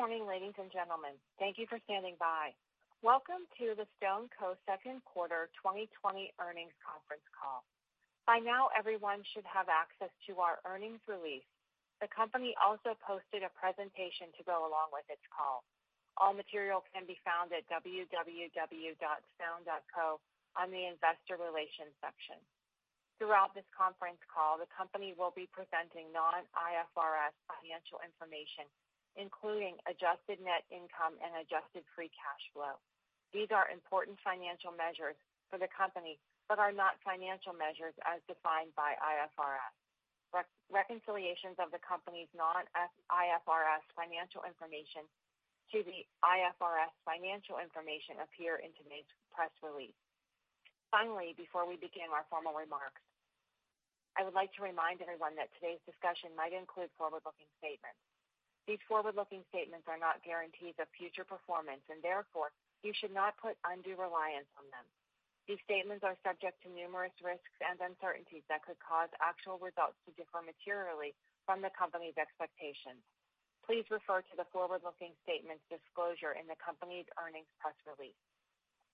Good morning, ladies and gentlemen. Thank you for standing by. Welcome to the StoneCo Q2 2020 earnings conference call. By now, everyone should have access to our earnings release. The company also posted a presentation to go along with this call. All material can be found at www.stone.co on the investor relations section. Throughout this conference call, the company will be presenting non-IFRS financial information, including adjusted net income and adjusted free cash flow. These are important financial measures for the company but are not financial measures as defined by IFRS. Reconciliations of the company's non-IFRS financial information to the IFRS financial information appear in today's press release. Before we begin our formal remarks, I would like to remind everyone that today's discussion might include forward-looking statements. These forward-looking statements are not guarantees of future performance, and therefore, you should not put undue reliance on them. These statements are subject to numerous risks and uncertainties that could cause actual results to differ materially from the company's expectations. Please refer to the forward-looking statements disclosure in the company's earnings press release.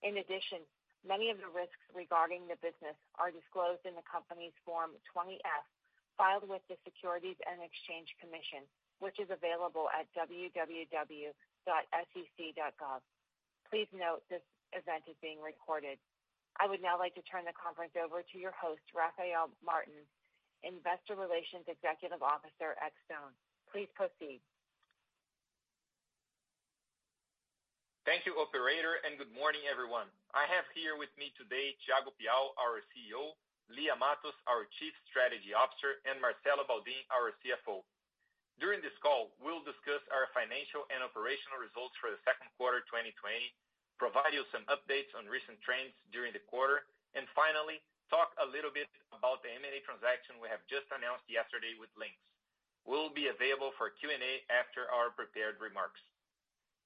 In addition, many of the risks regarding the business are disclosed in the company's Form 20-F filed with the Securities and Exchange Commission, which is available at www.sec.gov. Please note this event is being recorded. I would now like to turn the conference over to your host, Rafael Martins, Investor Relations Executive Officer at Stone. Please proceed. Thank you, operator and good morning, everyone. I have here with me today Thiago Piau, our CEO, Lia Matos, our Chief Strategy Officer, and Marcelo Baldin, our CFO. During this call, we'll discuss our financial and operational results for the Q2 2020- -provide you some updates on recent trends during the quarter, and finally, talk a little bit about the M&A transaction we have just announced yesterday with Linx. We'll be available for Q&A after our prepared remarks.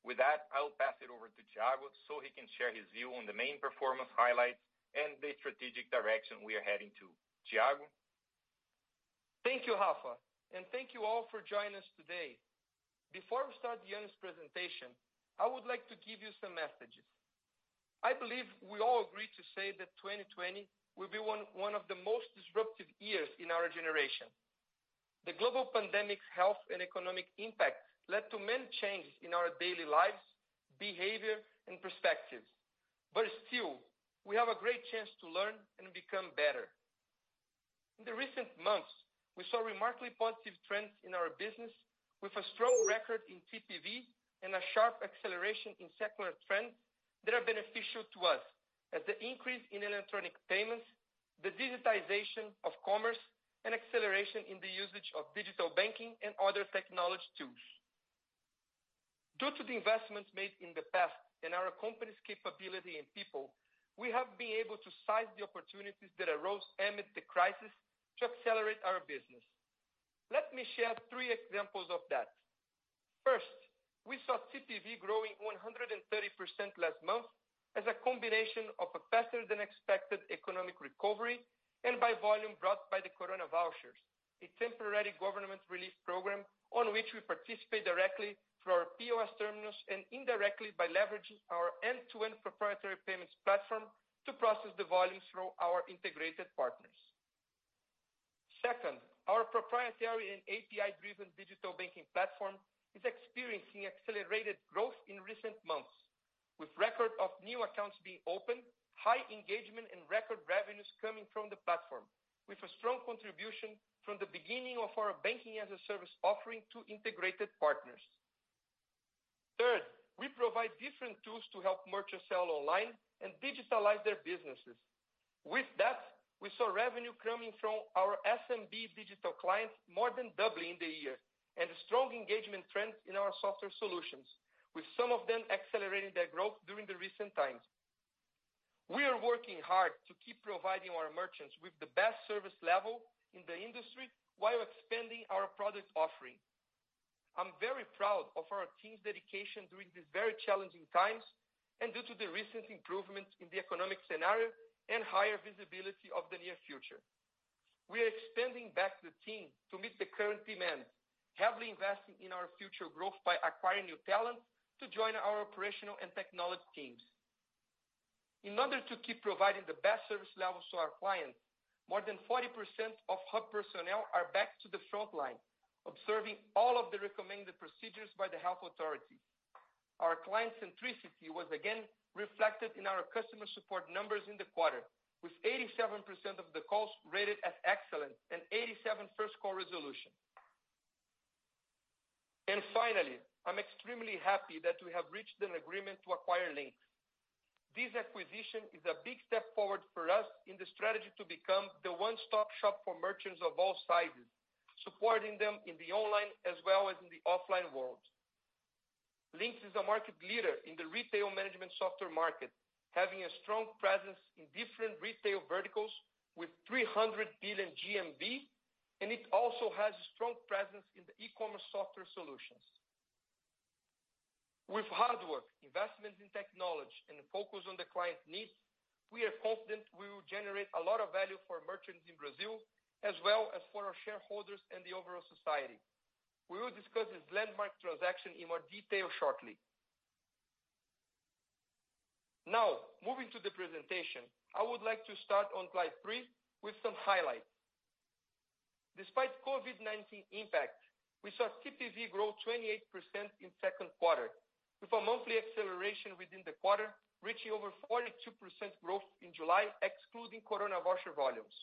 With that, I will pass it over to Thiago so he can share his view on the main performance highlights and the strategic direction we are heading to. Thiago. Thank you, Rafa, thank you all for joining us today. Before we start the earnings presentation, I would like to give you some messages. I believe we all agree to say that 2020 will be one of the most disruptive years in our generation. The global pandemic health and economic impact led to many changes in our daily lives, behavior, and perspectives, but still, we have a great chance to learn and become better. In the recent months, we saw remarkably positive trends in our business with a strong record in TPV and a sharp acceleration in secular trends that are beneficial to us as the increase in electronic payments, the digitization of commerce, and acceleration in the usage of digital banking and other technology tools. Due to the investments made in the past and our company's capability and people, we have been able to seize the opportunities that arose amid the crisis to accelerate our business. Let me share three examples of that. First, we saw TPV growing 130% last month as a combination of a faster than expected economic recovery and by volume brought by the Coronavouchers, a temporary government relief program on which we participate directly through our POS terminals and indirectly by leveraging our end-to-end proprietary payments platform to process the volumes through our integrated partners. Second, our proprietary and API-driven digital banking platform is experiencing accelerated growth in recent months, with record of new accounts being opened, high engagement, and record revenues coming from the platform, with a strong contribution from the beginning of our Banking-as-a-Service offering to integrated partners. Third, we provide different tools to help merchants sell online and digitalize their businesses. With that, we saw revenue coming from our SMB digital clients more than doubling in the year, and strong engagement trends in our software solutions, with some of them accelerating their growth during the recent times. We are working hard to keep providing our merchants with the best service level in the industry while expanding our product offering. I'm very proud of our team's dedication during these very challenging times and due to the recent improvements in the economic scenario and higher visibility of the near future. We are expanding back the team to meet the current demand, heavily investing in our future growth by acquiring new talent to join our operational and technology teams. In order to keep providing the best service levels to our clients, more than 40% of hub personnel are back to the frontline, observing all of the recommended procedures by the health authorities. Our client centricity was again reflected in our customer support numbers in the quarter, with 87% of the calls rated as excellent and 87 first call resolution. Finally, I'm extremely happy that we have reached an agreement to acquire Linx. This acquisition is a big step forward for us in the strategy to become the one-stop shop for merchants of all sizes, supporting them in the online as well as in the offline world. Linx is a market leader in the retail management software market, having a strong presence in different retail verticals with 300 billion GMV, and it also has a strong presence in the e-commerce software solutions. With hard work, investments in technology, and a focus on the client's needs, we are confident we will generate a lot of value for merchants in Brazil, as well as for our shareholders and the overall society. We will discuss this landmark transaction in more detail shortly. Moving to the presentation, I would like to start on slide three with some highlights. Despite COVID-19 impact, we saw TPV grow 28% in Q2, with a monthly acceleration within the quarter reaching over 42% growth in July, excluding Coronavoucher volumes.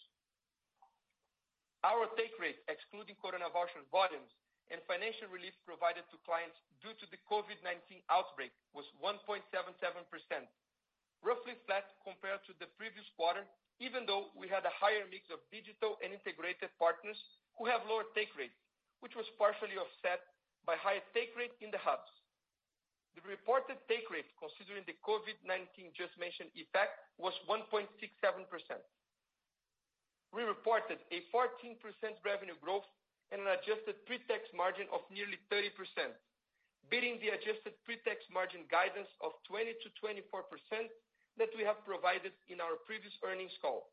Our take rate, excluding Coronavouchers volumes and financial relief provided to clients due to the COVID-19 outbreak, was 1.77%, roughly flat compared to the previous quarter, even though we had a higher mix of digital and integrated partners who have lower take rates, which was partially offset by higher take rate in the hubs. The reported take rate, considering the COVID-19 just mentioned impact, was 1.67%. We reported a 14% revenue growth and an adjusted pre-tax margin of nearly 30%, beating the adjusted pre-tax margin guidance of 20%-24% that we have provided in our previous earnings call.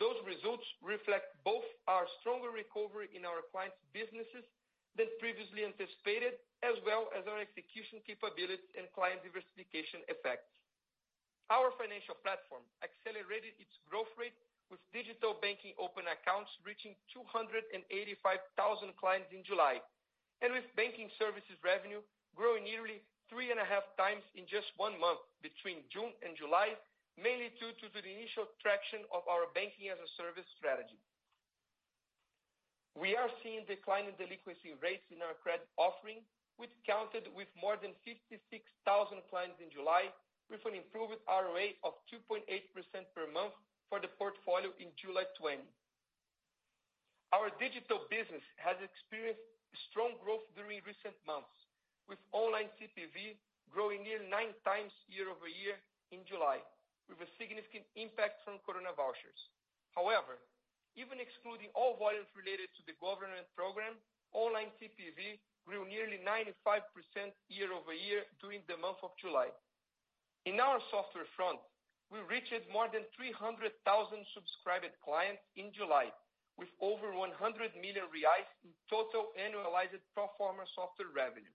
Those results reflect both our stronger recovery in our clients' businesses than previously anticipated, as well as our execution capability and client diversification effects. Our financial platform accelerated its growth rate, with digital banking open accounts reaching 285,000 clients in July, and with banking services revenue growing nearly 3.5x in just one month between June and July, mainly due to the initial traction of our Banking-as-a-Service strategy. We are seeing decline in delinquency rates in our credit offering, which counted with more than 56,000 clients in July, with an improved ROA of 2.8% per month for the portfolio in July 2020. Our digital business has experienced strong growth during recent months, with online TPV growing near 9x year-over-year in July, with a significant impact from Coronavouchers however, even excluding all volumes related to the government program, online TPV grew nearly 95% year-over-year during the month of July. In our software front, we reached more than 300,000 subscribed clients in July, with over 100 million reais in total annualized pro forma software revenue.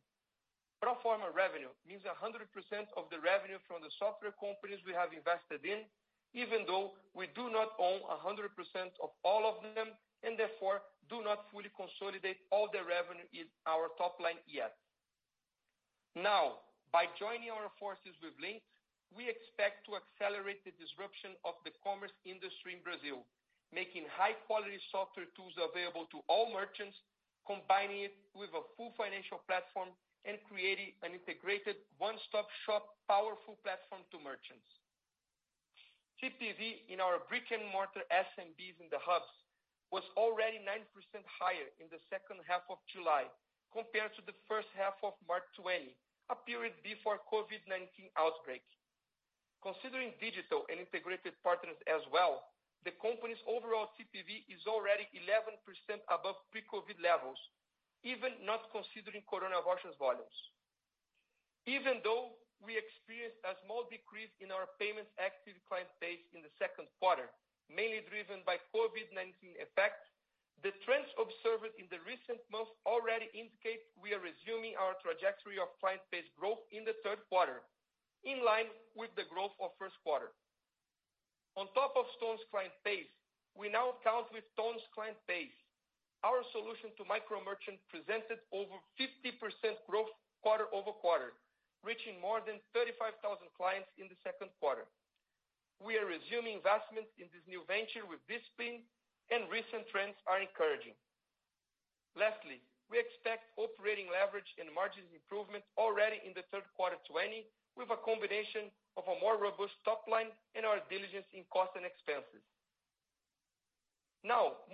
Pro forma revenue means 100% of the revenue from the software companies we have invested in, even though we do not own 100% of all of them, and therefore, do not fully consolidate all the revenue in our top line yet. By joining our forces with Linx, we expect to accelerate the disruption of the commerce industry in Brazil, making high-quality software tools available to all merchants, combining it with a full financial platform and creating an integrated one-stop shop powerful platform to merchants. TPV in our brick-and-mortar SMBs in the hubs was already 9% higher in the second half of July compared to the first half of March 2020, a period before COVID-19 outbreak. Considering digital and integrated partners as well, the company's overall TPV is already 11% above pre-COVID levels, even not considering Coronavouchers volumes. Even though we experienced a small decrease in our payments active client base in the Q2, mainly driven by COVID-19 effects, the trends observed in the recent months already indicate we are resuming our trajectory of client base growth in the Q3, in line with the growth of Q1. On top of StoneCo's client base, we now count with Ton's client base. Our solution to micro merchant presented over 50% growth quarter over quarter, reaching more than 35,000 clients in the Q2. We are resuming investments in this new venture with discipline, and recent trends are encouraging. Lastly, we expect operating leverage and margins improvement already in the Q3 2020, with a combination of a more robust top line and our diligence in cost and expenses.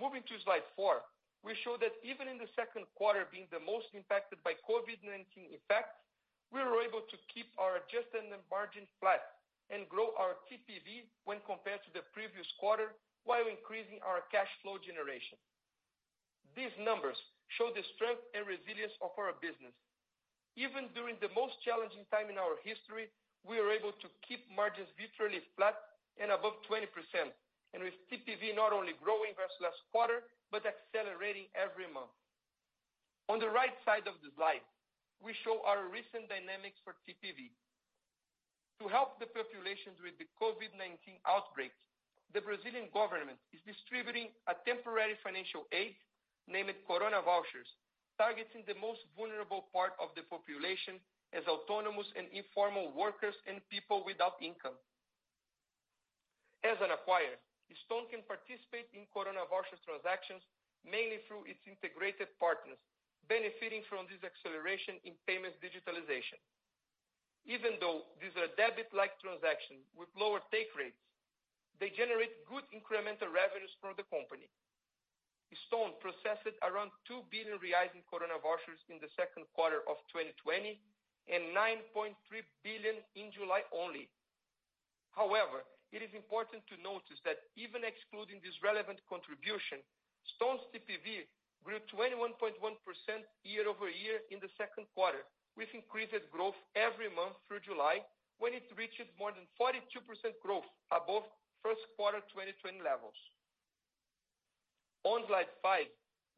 Moving to slide four, we show that even in the Q2 being the most impacted by COVID-19 effects, we were able to keep our adjusted net margin flat and grow our TPV when compared to the previous quarter while increasing our cash flow generation. These numbers show the strength and resilience of our business. Even during the most challenging time in our history, we were able to keep margins virtually flat and above 20%, with TPV not only growing versus last quarter, but accelerating every month. On the right side of the slide, we show our recent dynamics for TPV. To help the populations with the COVID-19 outbreak, the Brazilian government is distributing a temporary financial aid, named Coronavouchers, targeting the most vulnerable part of the population as autonomous and informal workers and people without income. As an acquirer, Stone can participate in Coronavouchers transactions mainly through its integrated partners, benefiting from this acceleration in payments digitalization. Even though these are debit-like transactions with lower take rates, they generate good incremental revenues for the company. Stone processed around 2 billion reais in Coronavouchers in the Q2 of 2020 and 9.3 billion in July only. It is important to notice that even excluding this relevant contribution, Stone's TPV grew 21.1% year-over-year in the Q2, with increased growth every month through July, when it reached more than 42% growth above Q1 2020 levels. On slide five,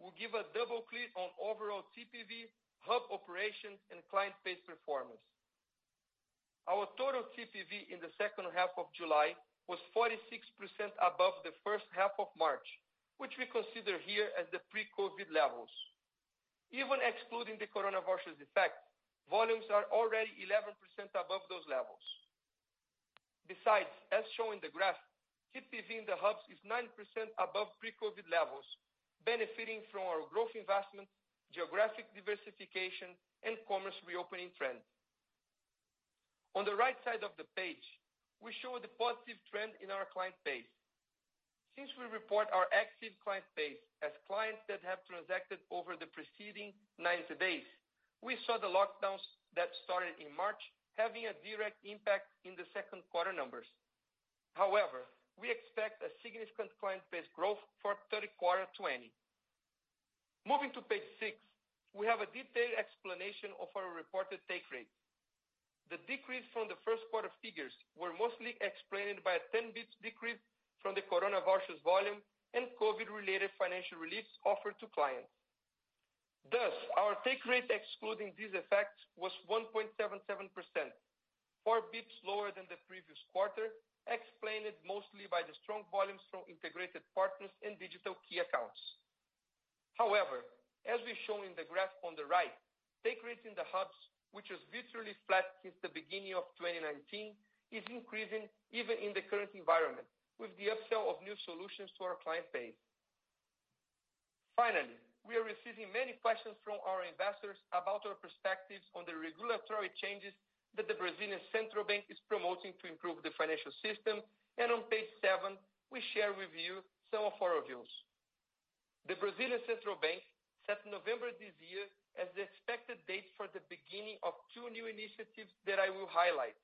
we'll give a double click on overall TPV, hub operations, and client base performance. Our total TPV in the second half of July was 46% above the first half of March, which we consider here as the pre-COVID levels. Even excluding the Coronavouchers effect, volumes are already 11% above those levels. As shown in the graph, TPV in the hubs is 9% above pre-COVID levels, benefiting from our growth investments, geographic diversification, and commerce reopening trends. On the right side of the page, we show the positive trend in our client base. Since we report our active client base as clients that have transacted over the preceding 90 days, we saw the lockdowns that started in March having a direct impact in the Q2 numbers. However we expect a significant client base growth for Q3 2020. Moving to page six, we have a detailed explanation of our reported take rate. The decrease from the Q1 figures were mostly explained by a 10 basis points decrease from the Coronavouchers volume and COVID-related financial reliefs offered to clients. Our take rate excluding these effects was 1.77%, 4 basis points lower than the previous quarter, explained mostly by the strong volumes from integrated partners and digital key accounts. However, as we show in the graph on the right, take rates in the hubs, which was virtually flat since the beginning of 2019, is increasing even in the current environment, with the upsell of new solutions to our client base. Finally we are receiving many questions from our investors about our perspectives on the regulatory changes that the Central Bank of Brazil is promoting to improve the financial system, and on page seven, we share with you some of our views. The Brazilian Central Bank set November this year as the expected date for the beginning of two new initiatives that I will highlight.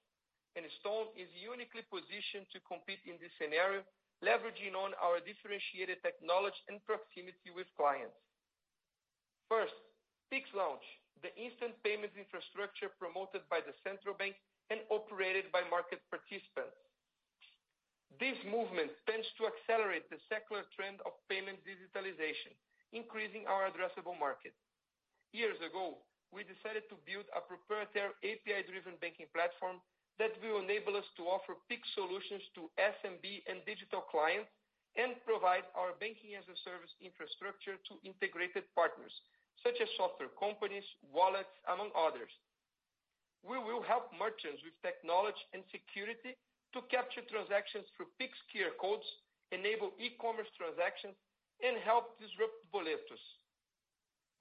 Stone is uniquely positioned to compete in this scenario, leveraging on our differentiated technology and proximity with clients. First, Pix launch, the instant payments infrastructure promoted by the Central Bank and operated by market participants. This movement tends to accelerate the secular trend of payments digitalization, increasing our addressable market. Years ago, we decided to build a proprietary API-driven banking platform that will enable us to offer Pix solutions to SMB and digital clients and provide our Banking-as-a-Service infrastructure to integrated partners, such as software companies, wallets, among others. We will help merchants with technology and security to capture transactions through Pix QR codes, enable e-commerce transactions, and help disrupt boletos.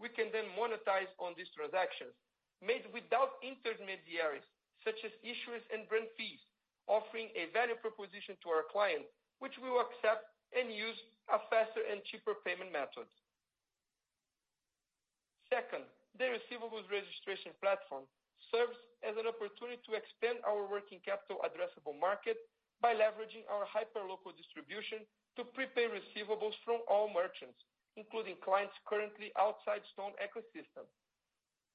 We can monetize on these transactions made without intermediaries, such as issuers and brand fees, offering a value proposition to our client, which will accept and use a faster and cheaper payment method. Second, the receivables registration platform serves as an opportunity to extend our working capital addressable market by leveraging our hyper-local distribution to prepay receivables from all merchants, including clients currently outside Stone ecosystem.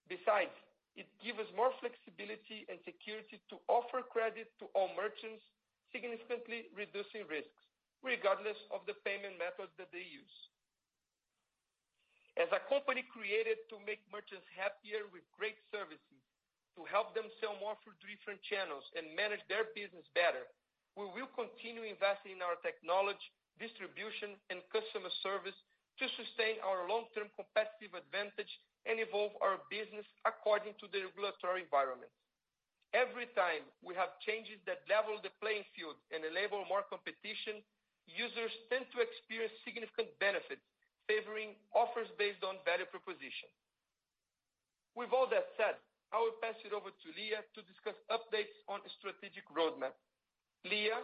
Besides, it gives us more flexibility and security to offer credit to all merchants, significantly reducing risks regardless of the payment method that they use. As a company created to make merchants happier with great services, to help them sell more through different channels and manage their business better, we will continue investing in our technology, distribution, and customer service to sustain our long-term competitive advantage and evolve our business according to the regulatory environment. Every time we have changes that level the playing field and enable more competition, users tend to experience significant benefits favoring offers based on value proposition. With all that said, I will pass it over to Lia to discuss updates on strategic roadmap. Lia?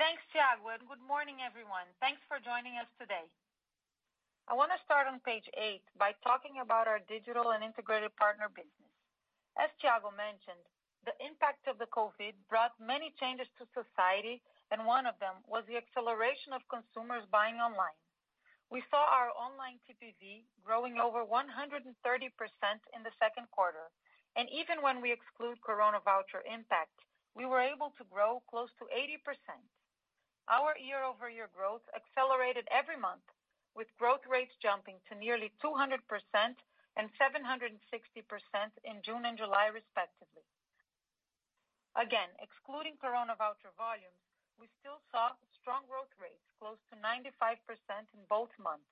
Thanks, Thiago, good morning, everyone thanks for joining us today. I want to start on page eight by talking about our digital and integrated partner business. As Thiago mentioned, the impact of the COVID brought many changes to society, and one of them was the acceleration of consumers buying online. We saw our online TPV growing over 130% in the Q2, and even when we exclude Coronavoucher impact, we were able to grow close to 80%. Our year-over-year growth accelerated every month, with growth rates jumping to nearly 200% and 760% in June and July respectively. Again, excluding Coronavoucher volumes, we still saw strong growth rates close to 95% in both months.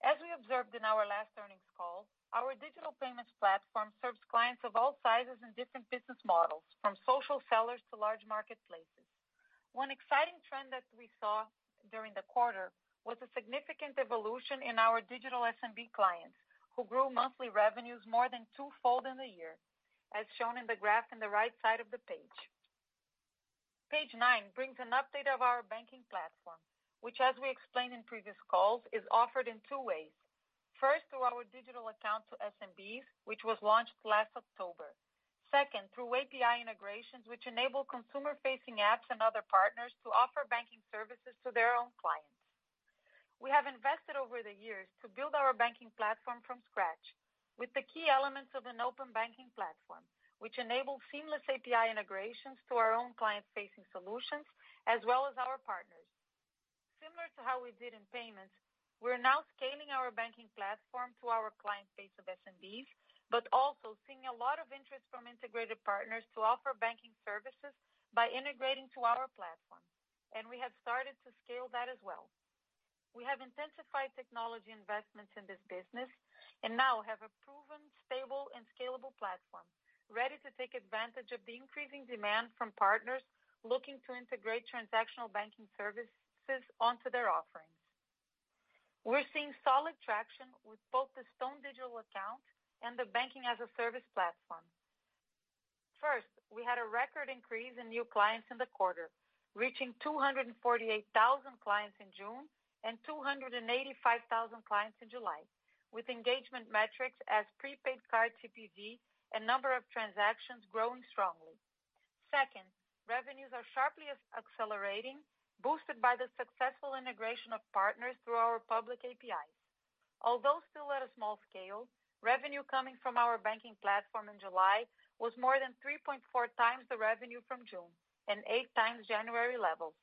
As we observed in our last earnings call, our digital payments platform serves clients of all sizes and different business models, from social sellers to large marketplaces. One exciting trend that we saw during the quarter was a significant evolution in our digital SMB clients, who grew monthly revenues more than twofold in the year, as shown in the graph in the right side of the page. Page nine brings an update of our banking platform, which as we explained in previous calls, is offered in two ways. First, through our digital account to SMBs, which was launched last October. Second, through API integrations, which enable consumer-facing apps and other partners to offer banking services to their own clients. We have invested over the years to build our banking platform from scratch with the key elements of an open banking platform, which enable seamless API integrations to our own client-facing solutions, as well as our partners. Similar to how we did in payments, we're now scaling our banking platform to our client base of SMBs, but also seeing a lot of interest from integrated partners to offer banking services by integrating to our platform. We have started to scale that as well. We have intensified technology investments in this business and now have a proven stable and scalable platform, ready to take advantage of the increasing demand from partners looking to integrate transactional banking services onto their offerings. We're seeing solid traction with both the Stone digital account and the Banking-as-a-Service platform. First, we had a record increase in new clients in the quarter, reaching 248,000 clients in June and 285,000 clients in July, with engagement metrics as prepaid card CPV and number of transactions growing strongly. Second, revenues are sharply accelerating, boosted by the successful integration of partners through our public APIs. Although still at a small scale, revenue coming from our banking platform in July was more than 3.4x the revenue from June, and 8x January levels.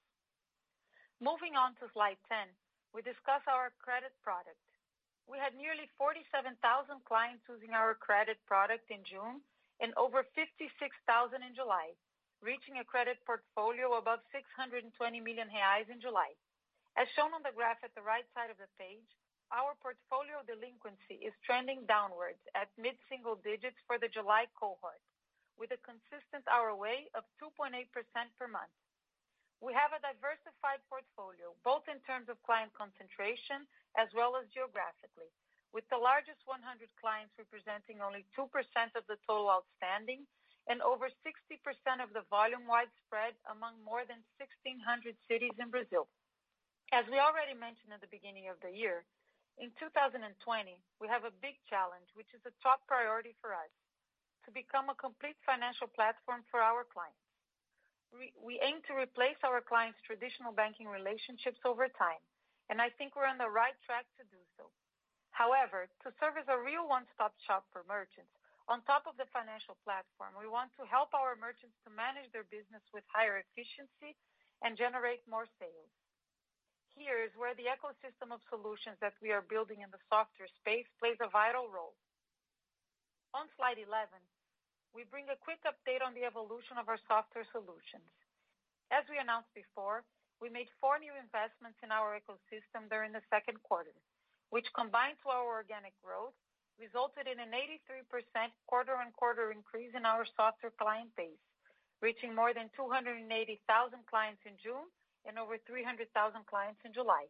Moving on to slide 10, we discuss our credit product. We had nearly 47,000 clients using our credit product in June and over 56,000 in July, reaching a credit portfolio above 620 million reais in July. As shown on the graph at the right side of the page, our portfolio delinquency is trending downwards at mid-single digits for the July cohort with a consistent ROA of 2.8% per month. We have a diversified portfolio, both in terms of client concentration as well as geographically, with the largest 100 clients representing only 2% of the total outstanding and over 60% of the volume widespread among more than 1,600 cities in Brazil. As we already mentioned at the beginning of the year, in 2020, we have a big challenge, which is a top priority for us, to become a complete financial platform for our clients. We aim to replace our clients' traditional banking relationships over time, and I think we're on the right track to do so. However, to serve as a real one-stop shop for merchants, on top of the financial platform, we want to help our merchants to manage their business with higher efficiency and generate more sales. Here is where the ecosystem of solutions that we are building in the software space plays a vital role. On slide 11, we bring a quick update on the evolution of our software solutions. As we announced before, we made four new investments in our ecosystem during the Q2, which combined to our organic growth, resulted in an 83% quarter-over-quarter increase in our software client base, reaching more than 280,000 clients in June and over 300,000 clients in July.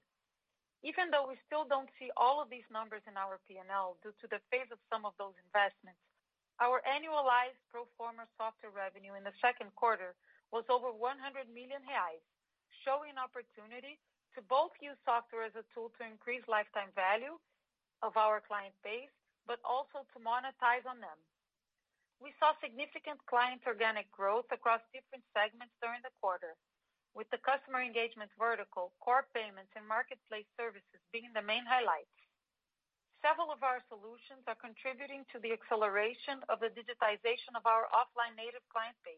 Even though we still don't see all of these numbers in our P&L due to the phase of some of those investments, our annualized pro forma software revenue in the Q2 was over 100 million reais, showing opportunity to both use software as a tool to increase lifetime value of our client base, but also to monetize on them. We saw significant client organic growth across different segments during the quarter, with the customer engagement vertical, core payments, and marketplace services being the main highlights. Several of our solutions are contributing to the acceleration of the digitization of our offline native client base.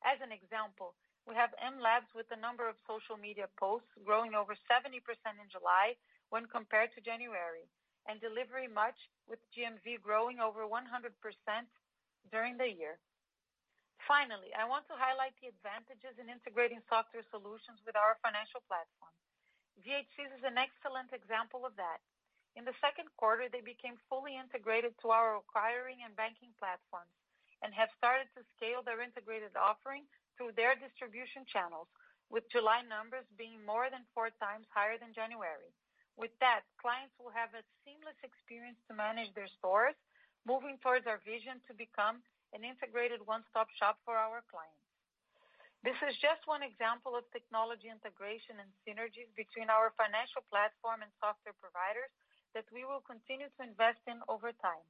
As an example, we have mLabs with the number of social media posts growing over 70% in July when compared to January, and Delivery Much with GMV growing over 100% during the year. Finally, I want to highlight the advantages in integrating software solutions with our financial platform. VHSYS is an excellent example of that. In the Q2, they became fully integrated to our acquiring and banking platforms and have started to scale their integrated offering through their distribution channels, with July numbers being more than four times higher than January, with that, clients will have a seamless experience to manage their stores, moving towards our vision to become an integrated one-stop shop for our clients. This is just one example of technology integration and synergies between our financial platform and software providers that we will continue to invest in over time.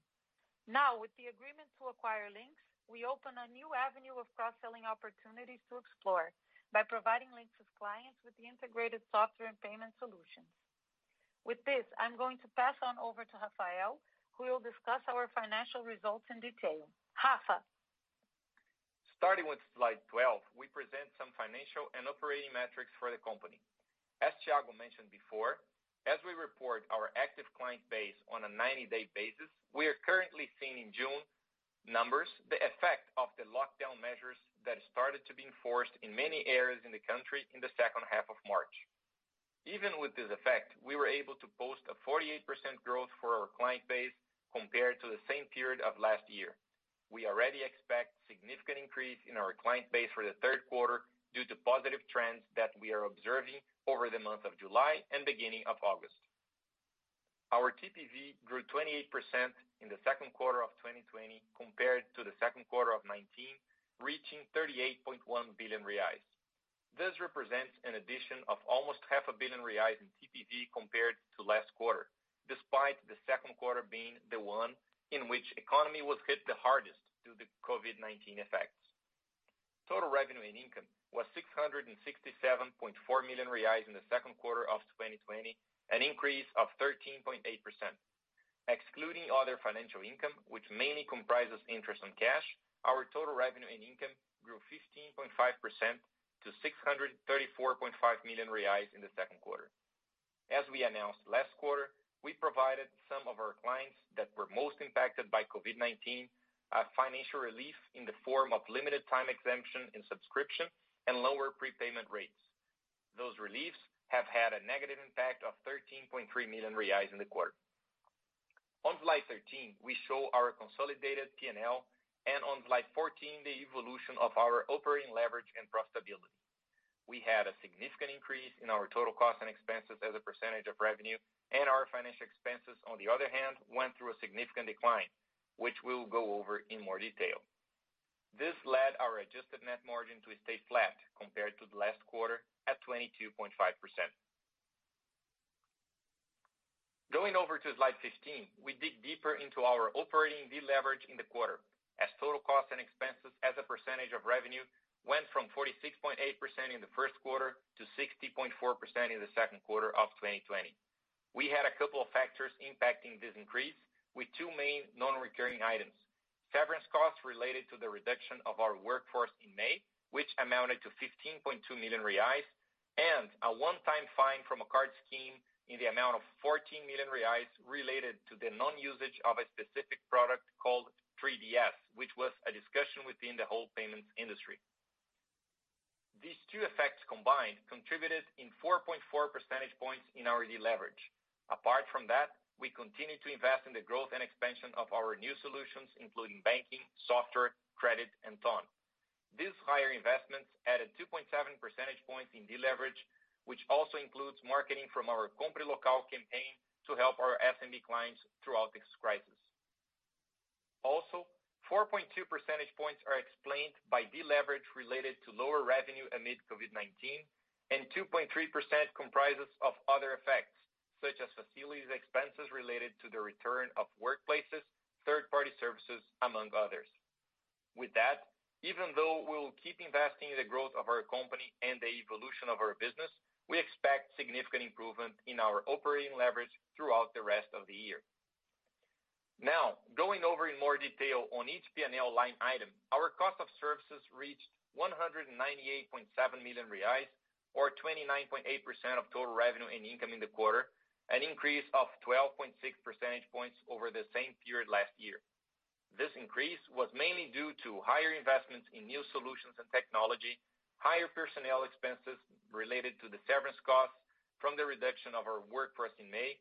Now, with the agreement to acquire Linx, we open a new avenue of cross-selling opportunities to explore by providing Linx's clients with the integrated software and payment solutions. With this, I'm going to pass on over to Rafael, who will discuss our financial results in detail. Rafa. Starting with slide 12, we present some financial and operating metrics for the company. As Thiago mentioned before, as we report our active client base on a 90 day basis, we are currently seeing June numbers, the effect of the lockdown measures that started to be enforced in many areas in the country in the second half of March. Even with this effect, we were able to post a 48% growth for our client base compared to the same period of last year. We already expect significant increase in our client base for the Q3 due to positive trends that we are observing over the month of July and beginning of August. Our TPV grew 28% in the Q2 of 2020 compared to the Q2 of 2019, reaching 38.1 billion reais. This represents an addition of almost half a billion reais in TPV compared to last quarter, despite the Q2 being the one in which the economy was hit the hardest due to the COVID-19 effects. Total revenue and income was 667.4 million reais in the Q2 of 2020, an increase of 13.8%. Excluding other financial income, which mainly comprises interest on cash, our total revenue and income grew 15.5% to 634.5 million reais in the Q2. As we announced last quarter, we provided some of our clients that were most impacted by COVID-19, financial relief in the form of limited time exemption in subscription and lower prepayment rates. Those reliefs have had a negative impact of 13.3 million reais in the quarter. On slide 13, we show our consolidated P&L, and on slide 14, the evolution of our operating leverage and profitability. We had a significant increase in our total costs and expenses as a percentage of revenue, and our financial expenses, on the other hand, went through a significant decline, which we will go over in more detail. This led our adjusted net margin to stay flat compared to the last quarter at 22.5%. Going over to slide 15, we dig deeper into our operating deleverage in the quarter as total costs and expenses as a percentage of revenue went from 46.8% in the Q1 to 60.4% in the Q2 of 2020. We had a couple of factors impacting this increase with two main non-recurring items. Severance costs related to the reduction of our workforce in May, which amounted to 15.2 million reais, a one-time fine from a card scheme in the amount of 14 million reais related to the non-usage of a specific product called 3DS, which was a discussion within the whole payments industry. These two effects combined contributed in 4.4 percentage points in our deleverage. Apart from that, we continue to invest in the growth and expansion of our new solutions, including banking, software, credit, and Ton. These higher investments added 2.7 percentage points in deleverage, which also includes marketing from our Compre Local campaign to help our SMB clients throughout this crisis. Also 4.2 percentage points are explained by deleverage related to lower revenue amid COVID-19, and 2.3% comprises of other effects, such as facilities expenses related to the return of workplaces, third-party services, among others. With that, even though we'll keep investing in the growth of our company and the evolution of our business, we expect significant improvement in our operating leverage throughout the rest of the year. Now going over in more detail on each P&L line item, our cost of services reached 198.7 million reais, or 29.8% of total revenue and income in the quarter, an increase of 12.6 percentage points over the same period last year. This increase was mainly due to higher investments in new solutions and technology, higher personnel expenses related to the severance costs from the reduction of our workforce in May,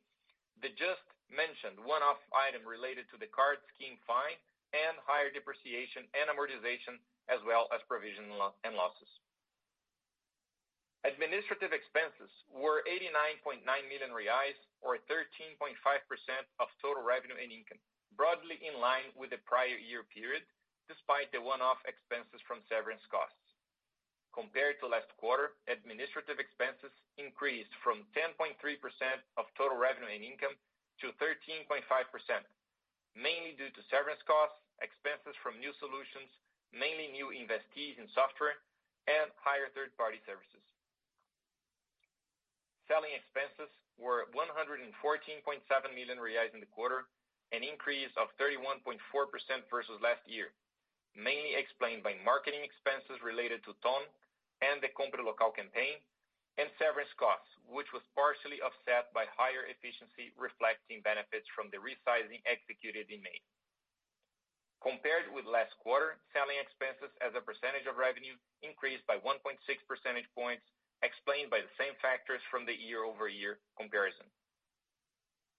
the just mentioned one-off item related to the card scheme fine, and higher depreciation and amortization, as well as provision and losses. Administrative expenses were 89.9 million reais, or 13.5% of total revenue and income, broadly in line with the prior year period, despite the one-off expenses from severance costs. Compared to last quarter, administrative expenses increased from 10.3% of total revenue and income to 13.5%, mainly due to severance costs, expenses from new solutions, mainly new investees in software, and higher third-party services. Selling expenses were 114.7 million reais in the quarter, an increase of 31.4% versus last year, mainly explained by marketing expenses related to Ton and the Compre Local campaign and severance costs, which was partially offset by higher efficiency reflecting benefits from the resizing executed in May. Compared with last quarter, selling expenses as a percentage of revenue increased by 1.6 percentage points, explained by the same factors from the year-over-year comparison.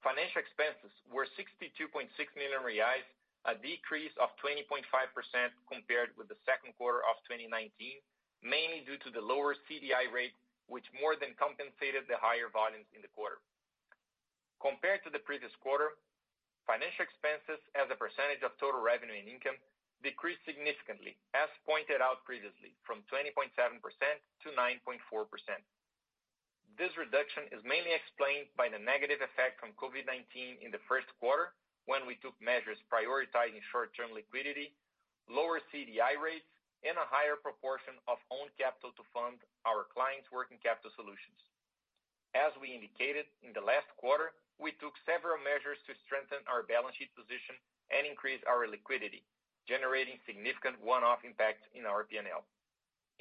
Financial expenses were 62.6 million reais, a decrease of 20.5% compared with the Q2 of 2019, mainly due to the lower CDI rate, which more than compensated the higher volumes in the quarter. Compared to the previous quarter, financial expenses as a percentage of total revenue and income decreased significantly, as pointed out previously, from 20.7%-9.4%. This reduction is mainly explained by the negative effect from COVID-19 in the Q1 when we took measures prioritizing short-term liquidity, lower CDI rates, and a higher proportion of own capital to fund our clients' working capital solutions. As we indicated in the last quarter, we took several measures to strengthen our balance sheet position and increase our liquidity, generating significant one-off impacts in our P&L.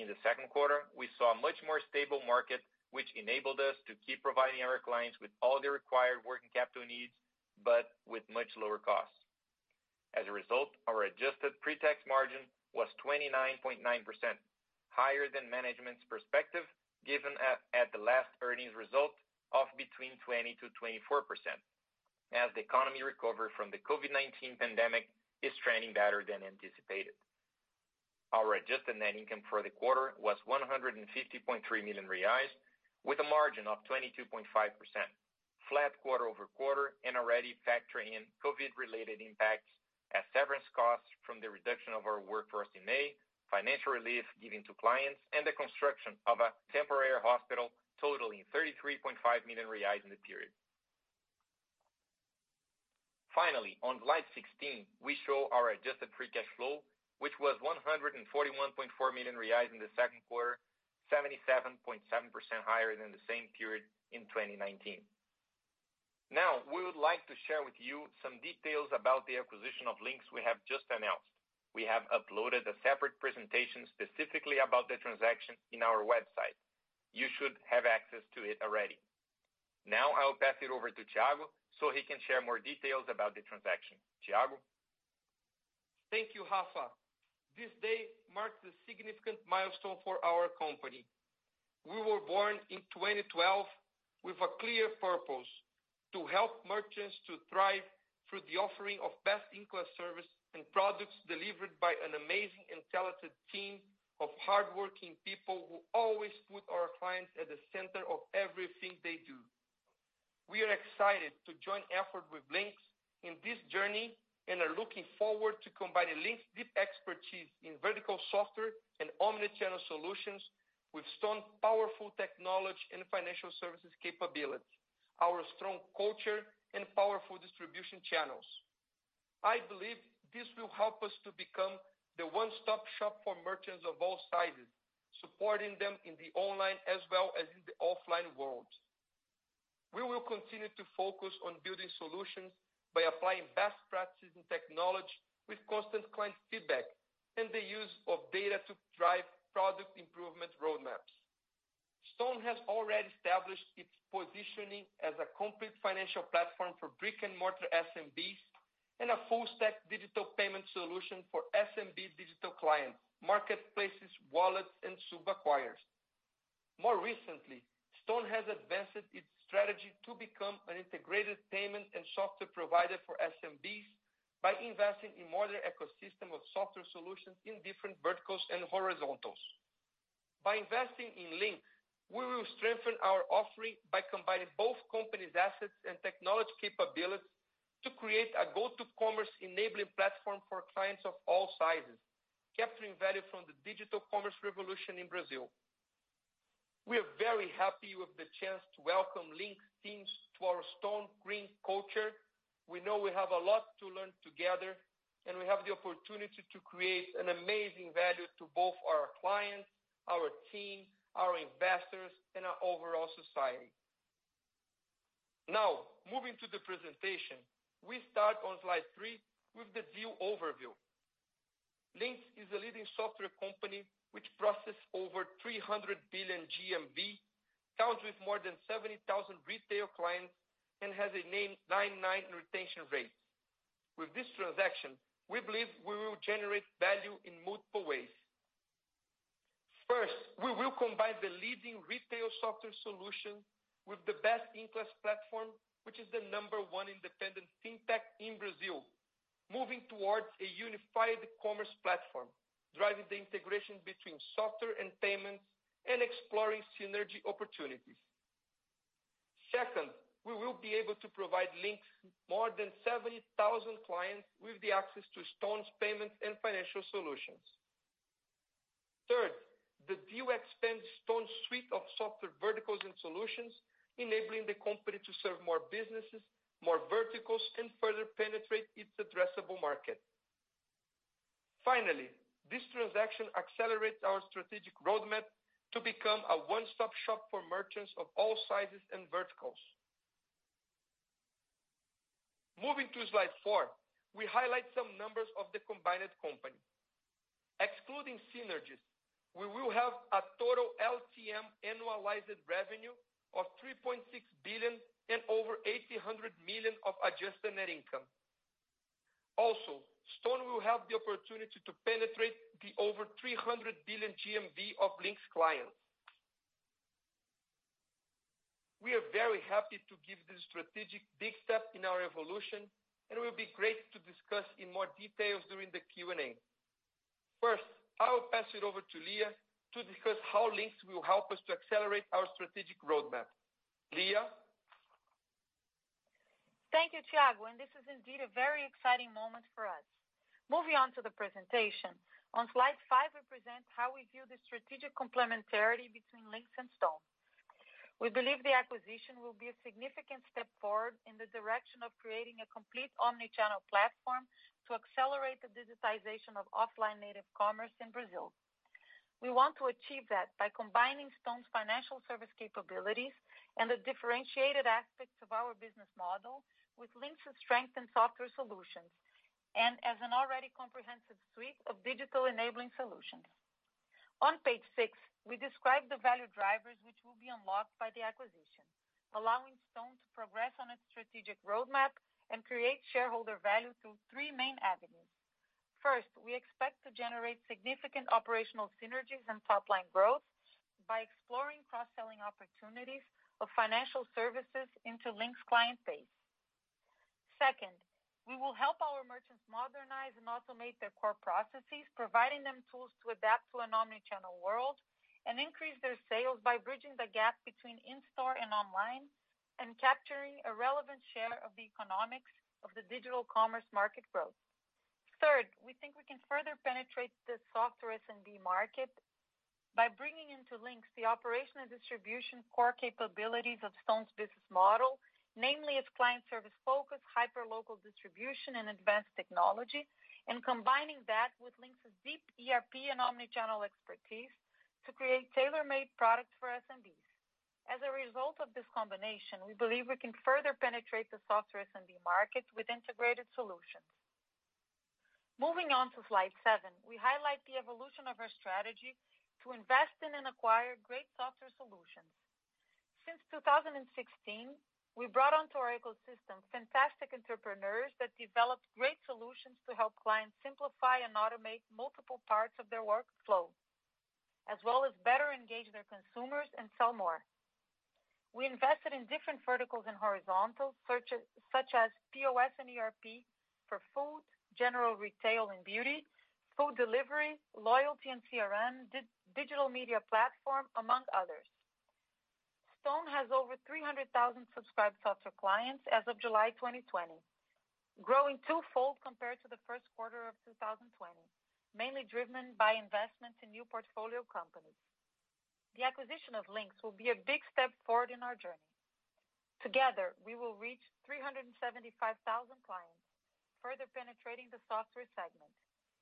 In the Q2, we saw a much more stable market, which enabled us to keep providing our clients with all their required working capital needs, but with much lower costs. As a result, our adjusted pre-tax margin was 29.9%, higher than management's perspective given at the last earnings result of between 20%-24%, as the economy recovered from the COVID-19 pandemic is trending better than anticipated. Our adjusted net income for the quarter was 150.3 million reais, with a margin of 22.5%, flat quarter-over-quarter, and already factoring in COVID-related impacts as severance costs from the reduction of our workforce in May, financial relief given to clients, and the construction of a temporary hospital totaling 33.5 million reais in the period. Finally, on slide 16, we show our adjusted free cash flow, which was 141.4 million reais in the Q2, 77.7% higher than the same period in 2019. Now we would like to share with you some details about the acquisition of Linx we have just announced. We have uploaded a separate presentation specifically about the transaction on our website. You should have access to it already. I will pass it over to Thiago so he can share more details about the transaction. Thiago? Thank you, Rafa. This day marks a significant milestone for our company. We were born in 2012 with a clear purpose: to help merchants to thrive through the offering of best-in-class service and products delivered by an amazing and talented team of hardworking people who always put our clients at the center of everything they do. We are excited to join effort with Linx in this journey and are looking forward to combining Linx's deep expertise in vertical software and omni-channel solutions with Stone's powerful technology and financial services capability, our strong culture, and powerful distribution channels. I believe this will help us to become the one-stop shop for merchants of all sizes, supporting them in the online as well as in the offline world. We will continue to focus on building solutions by applying best practices in technology with constant client feedback and the use of data to drive product improvement roadmaps. Stone has already established its positioning as a complete financial platform for brick-and-mortar SMBs and a full stack digital payment solution for SMB digital clients, marketplaces, wallets, and sub-acquirers. More recently, Stone has advanced its strategy to become an integrated payment and software provider for SMBs by investing in modern ecosystem of software solutions in different verticals and horizontals. By investing in Linx, we will strengthen our offering by combining both companies' assets and technology capabilities to create a go-to commerce enabling platform for clients of all sizes, capturing value from the digital commerce revolution in Brazil. We are very happy with the chance to welcome Linx teams to our Stone green culture. We know we have a lot to learn together, and we have the opportunity to create an amazing value to both our clients, our team, our investors, and our overall society. Moving to the presentation, we start on slide three with the deal overview. Linx is a leading software company which processes over 300 billion GMV, counts with more than 70,000 retail clients, and has a net 99 retention rate. With this transaction, we believe we will generate value in multiple ways. First, we will combine the leading retail software solution with the best-in-class platform, which is the number one independent fintech in Brazil, moving towards a unified commerce platform, driving the integration between software and payments and exploring synergy opportunities. Second, we will be able to provide Linx more than 70,000 clients with the access to Stone's payments and financial solutions. Third, the deal expands Stone's suite of software verticals and solutions, enabling the company to serve more businesses, more verticals, and further penetrate its addressable market. Finally this transaction accelerates our strategic roadmap to become a one-stop shop for merchants of all sizes and verticals. Moving to slide four, we highlight some numbers of the combined company. Excluding synergies, we will have a total LTM annualized revenue of 3.6 billion and over 800 million of adjusted net income. Also Stone will have the opportunity to penetrate the over 300 billion GMV of Linx clients. We are very happy to give this strategic big step in our evolution, it will be great to discuss in more details during the Q&A. I will pass it over to Lia to discuss how Linx will help us to accelerate our strategic roadmap. Lia? Thank you, Thiago, and this is indeed a very exciting moment for us. Moving on to the presentation. On slide five, we present how we view the strategic complementarity between Linx and Stone. We believe the acquisition will be a significant step forward in the direction of creating a complete omni-channel platform to accelerate the digitization of offline native commerce in Brazil. We want to achieve that by combining Stone's financial service capabilities and the differentiated aspects of our business model with Linx's strength in software solutions and as an already comprehensive suite of digital enabling solutions. On page six, we describe the value drivers which will be unlocked by the acquisition, allowing Stone to progress on its strategic roadmap and create shareholder value through three main avenues. First, we expect to generate significant operational synergies and top-line growth by exploring cross-selling opportunities of financial services into Linx client base. Second, we will help our merchants modernize and automate their core processes, providing them tools to adapt to an omni-channel world and increase their sales by bridging the gap between in-store and online, and capturing a relevant share of the economics of the digital commerce market growth. Third, we think we can further penetrate the software SMB market by bringing into Linx the operation and distribution core capabilities of Stone's business model, namely its client service focus, hyperlocal distribution, and advanced technology, and combining that with Linx's deep ERP and omni-channel expertise to create tailor-made products for SMBs. As a result of this combination, we believe we can further penetrate the software SMB market with integrated solutions. Moving on to slide seven, we highlight the evolution of our strategy to invest in and acquire great software solutions. Since 2016, we brought onto our ecosystem fantastic entrepreneurs that developed great solutions to help clients simplify and automate multiple parts of their workflow, as well as better engage their consumers and sell more. We invested in different verticals and horizontals, such as POS and ERP for food, general retail and beauty, food delivery, loyalty and CRM, digital media platform, among others. Stone has over 300,000 subscribed software clients as of July 2020, growing two-fold compared to the Q1 of 2020, mainly driven by investments in new portfolio companies. The acquisition of Linx will be a big step forward in our journey. Together, we will reach 375,000 clients, further penetrating the software segment.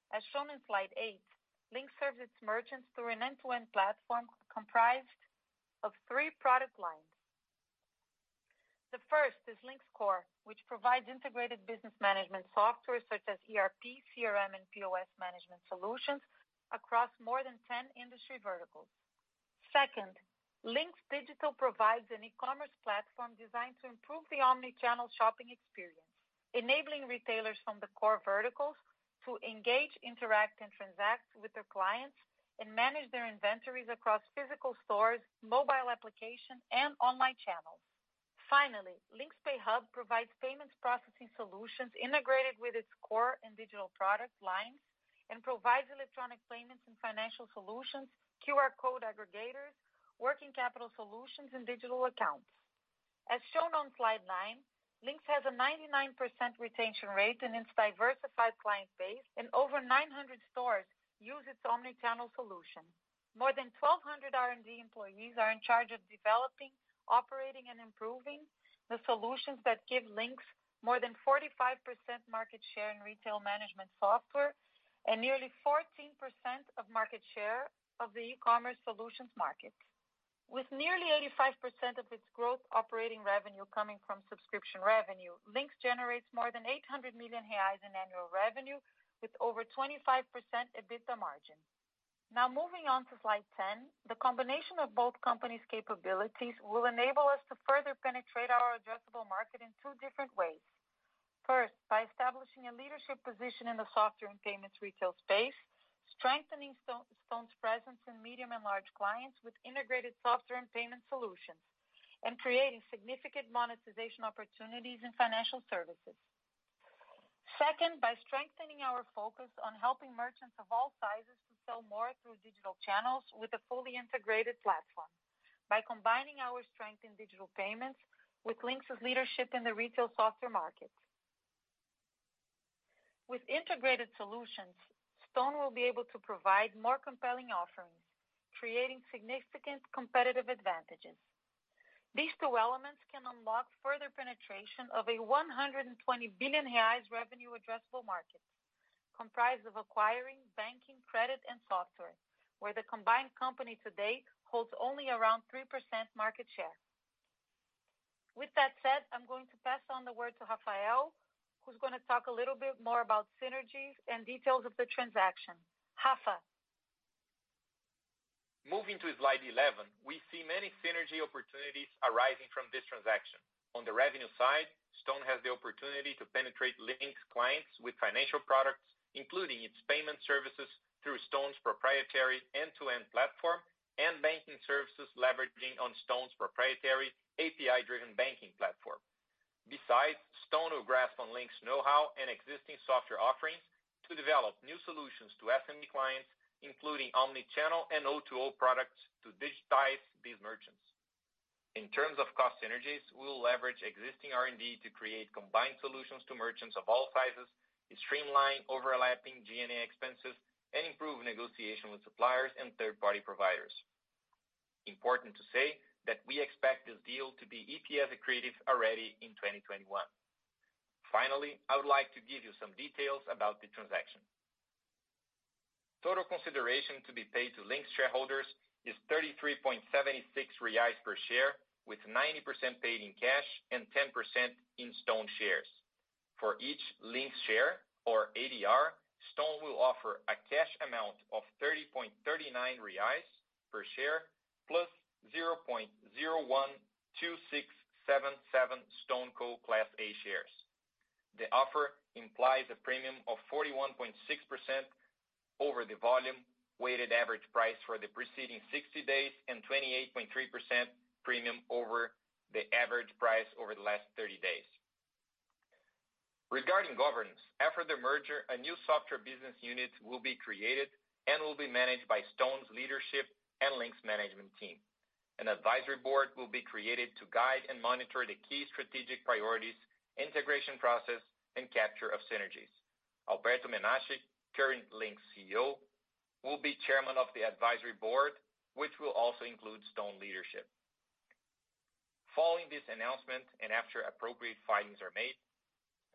As shown in slide eight, Linx serves its merchants through an end-to-end platform comprised of three product lines. The first is Linx Core, which provides integrated business management software such as ERP, CRM, and POS management solutions across more than 10 industry verticals. Second, Linx Digital provides an e-commerce platform designed to improve the omni-channel shopping experience, enabling retailers from the core verticals to engage, interact, and transact with their clients, and manage their inventories across physical stores, mobile application, and online channels. Finally, Linx Pay Hub provides payments processing solutions integrated with its core and digital product lines and provides electronic payments and financial solutions, QR code aggregators, working capital solutions, and digital accounts. As shown on slide nine, Linx has a 99% retention rate in its diversified client base, and over 900 stores use its omni-channel solution. More than 1,200 R&D employees are in charge of developing, operating, and improving the solutions that give Linx more than 45% market share in retail management software and nearly 14% of market share of the e-commerce solutions market. With nearly 85% of its growth operating revenue coming from subscription revenue, Linx generates more than 800 million reais in annual revenue with over 25% EBITDA margin. Moving on to slide 10, the combination of both companies' capabilities will enable us to further penetrate our addressable market in two different ways. First, by establishing a leadership position in the software and payments retail space, strengthening Stone's presence in medium and large clients with integrated software and payment solutions, and creating significant monetization opportunities in financial services. Second, by strengthening our focus on helping merchants of all sizes to sell more through digital channels with a fully integrated platform by combining our strength in digital payments with Linx's leadership in the retail software market. With integrated solutions, Stone will be able to provide more compelling offerings, creating significant competitive advantages. These two elements can unlock further penetration of a 120 billion reais revenue addressable market comprised of acquiring banking credit and software, where the combined company today holds only around 3% market share. With that said, I'm going to pass on the word to Rafael, who's going to talk a little bit more about synergies and details of the transaction. Rafa. Moving to slide 11, we see many synergy opportunities arising from this transaction. On the revenue side, Stone has the opportunity to penetrate Linx clients with financial products, including its payment services through Stone's proprietary end-to-end platform and banking services leveraging on Stone's proprietary API driven banking platform. Stone will grasp on Linx know-how and existing software offerings to develop new solutions to SMB clients, including omni-channel and O2O products to digitize these merchants. In terms of cost synergies, we'll leverage existing R&D to create combined solutions to merchants of all sizes, streamline overlapping SG&A expenses, and improve negotiation with suppliers and third-party providers. Important to say that we expect this deal to be EPS accretive already in 2021. I would like to give you some details about the transaction. Total consideration to be paid to Linx shareholders is 33.76 reais per share, with 90% paid in cash and 10% in Stone shares. For each Linx share or ADR, Stone will offer a cash amount of 30.39 reais per share, plus 0.012677 StoneCo Class A shares. The offer implies a premium of 41.6%, over the volume weighted average price for the preceding 60 days and 28.3% premium over the average price over the last 30 days. Regarding governance, after the merger, a new software business unit will be created and will be managed by Stone's leadership and Linx management team. An advisory board will be created to guide and monitor the key strategic priorities, integration process, and capture of synergies. Alberto Menache, current Linx CEO, will be Chairman of the advisory board, which will also include Stone leadership. Following this announcement and after appropriate filings are made,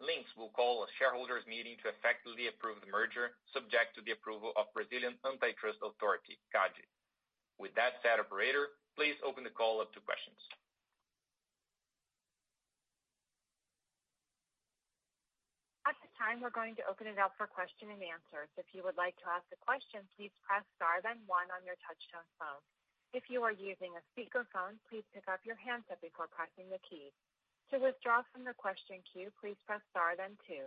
Linx will call a shareholders meeting to effectively approve the merger, subject to the approval of Brazilian antitrust authority, CADE. With that said, operator, please open the call up to questions. At this time, we're going to open it up for question and answers. If you would like to ask a question, please press star then one on your touchtone phone. If you are using a speakerphone, please pick up your handset before pressing the key. To withdraw from the question queue, please press star then two.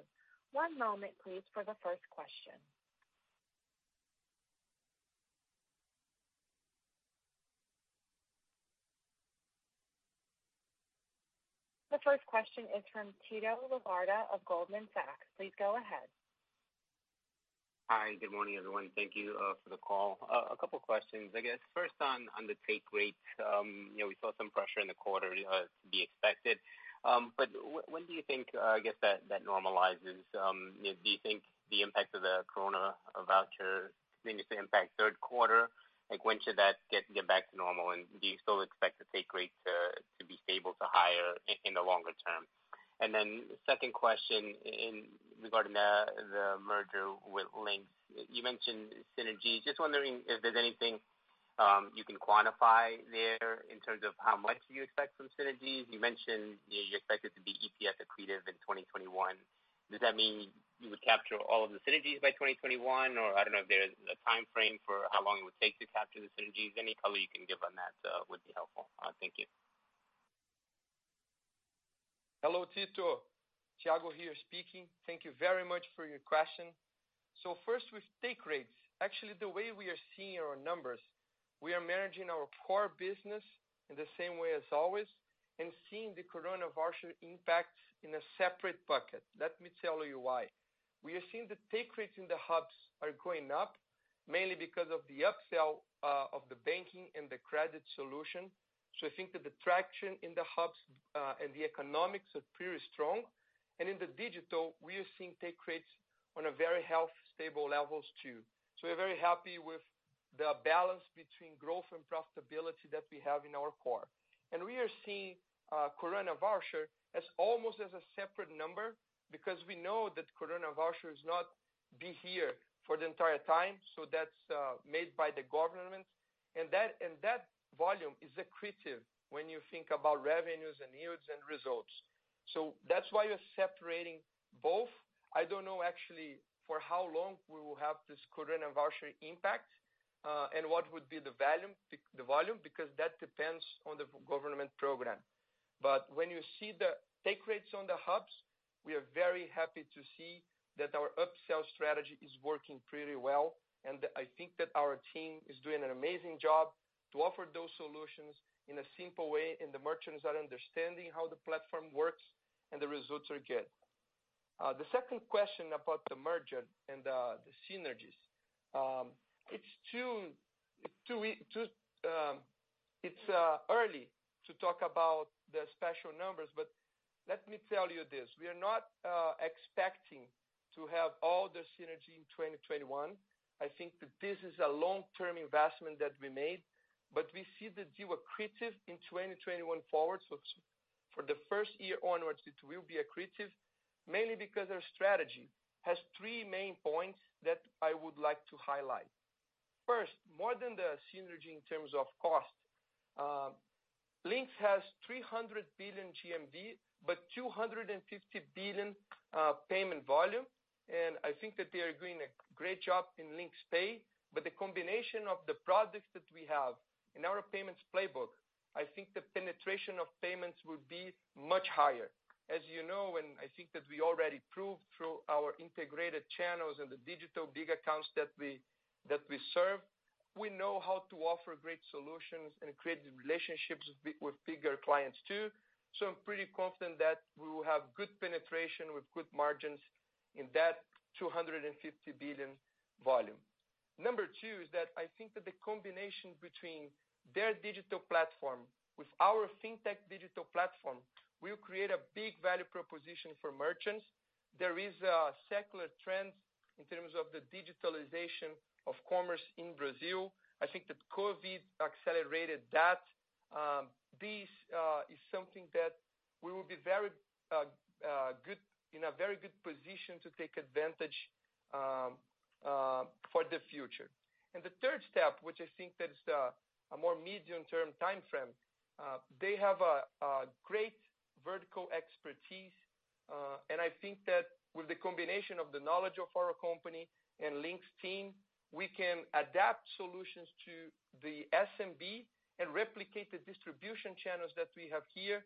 One moment, please, for the first question. The first question is from Tito Labarta of Goldman Sachs. Please go ahead. Hi. Good morning, everyone thank you for the call. A couple questions i guess, first on the take rate. We saw some pressure in the quarter as to be expected. When do you think, I guess, that normalizes? Do you think the impact of the Coronavoucher continues to impact Q3? Like, when should that get back to normal and do you still expect the take rate to be stable to higher in the longer term? Second question in regarding the merger with Linx. You mentioned synergies just wondering if there's anything you can quantify there in terms of how much you expect from synergies? you mentioned you expect it to be EPS accretive in 2021. Does that mean you would capture all of the synergies by 2021? I don't know if there's a timeframe for how long it would take to capture the synergies any color you can give on that would be helpful. Thank you. Hello, Tito. Thiago here speaking. Thank you very much for your question. First with take rates. Actually, the way we are seeing our numbers, we are managing our core business in the same way as always, and seeing the Coronavouchers impact in a separate bucket let me tell you why. We are seeing the take rates in the hubs are going up, mainly because of the upsell of the banking and the credit solution. I think that the traction in the hubs and the economics are pretty strong. In the digital, we are seeing take rates on a very healthy, stable levels too. We're very happy with the balance between growth and profitability that we have in our core. We are seeing Coronavoucher as almost as a separate number because we know that Coronavoucher is not be here for the entire time so that's made by the government. That volume is accretive when you think about revenues and yields and results. That's why we're separating both. I don't know actually for how long we will have this Coronavoucher impact, and what would be the volume, because that depends on the government program. When you see the take rates on the hubs, we are very happy to see that our upsell strategy is working pretty well, and I think that our team is doing an amazing job to offer those solutions in a simple way, and the merchants are understanding how the platform works and the results are good. The second question about the merger and the synergies. It's early to talk about the special numbers, but let me tell you this, we are not expecting to have all the synergy in 2021. I think that this is a long-term investment that we made, we see that they were accretive in 2021 forward for the first year onwards, it will be accretive, mainly because our strategy has three main points that I would like to highlight. First, more than the synergy in terms of cost. Linx has 300 billion GMV, but 250 billion payment volume, and I think that they are doing a great job in Linx Pay. The combination of the products that we have in our payments playbook, I think the penetration of payments will be much higher. You know, I think that we already proved through our integrated channels and the digital big accounts that we serve, we know how to offer great solutions and create relationships with bigger clients too. I'm pretty confident that we will have good penetration with good margins in that 250 billion volume. Number two is that I think that the combination between their digital platform with our fintech digital platform will create a big value proposition for merchants. There is a secular trend in terms of the digitalization of commerce in Brazil. I think that COVID accelerated that. This is something that we will be in a very good position to take advantage for the future. The third step, which I think that is a more medium-term timeframe. They have a great vertical expertise. I think that with the combination of the knowledge of our company and Linx team, we can adapt solutions to the SMB and replicate the distribution channels that we have here,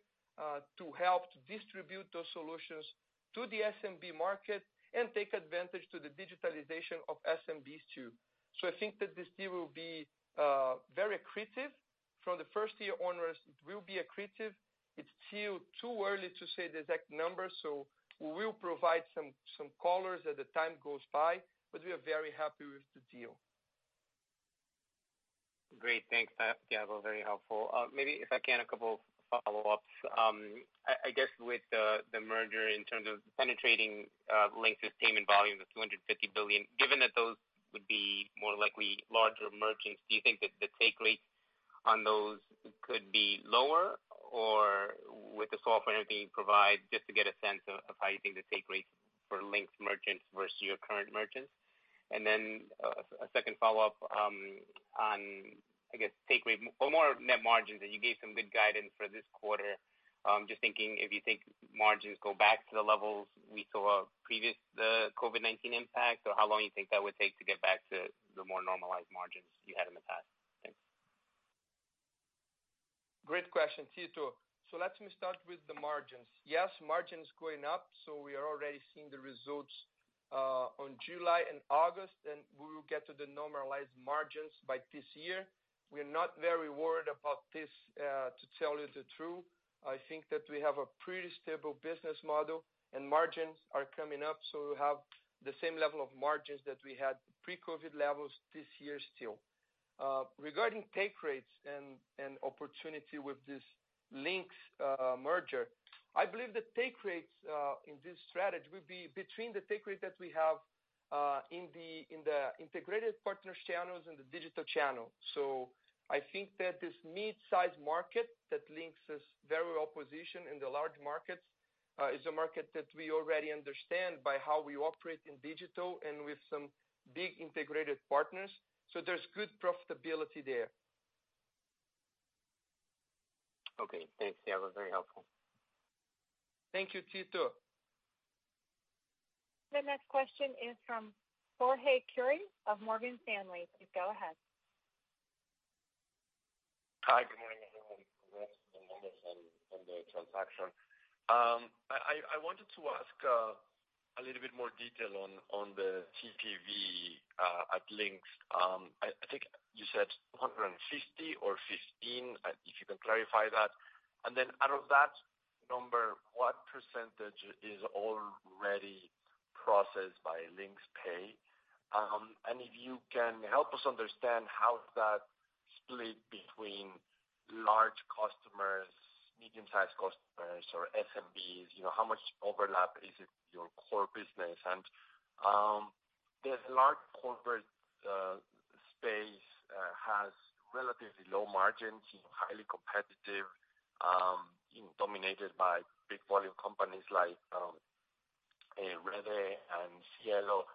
to help to distribute those solutions to the SMB market and take advantage to the digitalization of SMBs too. I think that this deal will be very accretive. From the first year onwards, it will be accretive. It's still too early to say the exact numbers, we will provide some colors as the time goes by. We are very happy with the deal. Great. Thanks, Thiago very helpful. Maybe if I can, a couple follow-ups. I guess with the merger in terms of penetrating Linx's payment volume of 250 billion, given that those would be more likely larger merchants, do you think that the take rates on those could be lower? Or with the software that you provide, just to get a sense of how you think the take rates for Linx merchants versus your current merchants. A second follow-up on, I guess, take rate or more net margins, and you gave some good guidance for this quarter. Just thinking if you think margins go back to the levels we saw previous the COVID-19 impact? or how long you think that would take to get back to the more normalized margins you had in the past? Thanks. Great question, Tito. Let me start with the margins. Yes, margin's going up, so we are already seeing the results on July and August, and we will get to the normalized margins by this year. We are not very worried about this, to tell you the truth. I think that we have a pretty stable business model and margins are coming up, so we have the same level of margins that we had pre-COVID levels this year still. Regarding take rates and opportunity with this Linx merger, I believe the take rates in this strategy will be between the take rate that we have in the integrated partners channels and the digital channel. I think that this mid-size market, that Linx is very well positioned in the large markets, is a market that we already understand by how we operate in digital and with some big integrated partners. There's good profitability there. Okay, thanks. Yeah, that was very helpful. Thank you, Tito. The next question is from Jorge Kuri of Morgan Stanley. Please go ahead. Hi, good morning everyone congrats on the numbers and the transaction. I wanted to ask a little bit more detail on the TPV at Linx. I think you said 250 billion or 15%, if you can clarify that. Out of that number, what % is already processed by Linx Pay? If you can help us understand how that's split between large customers, medium-sized customers, or SMBs how much overlap is it your core business? The large corporate space has relatively low margins, highly competitive, dominated by big volume companies like Rede and Cielo.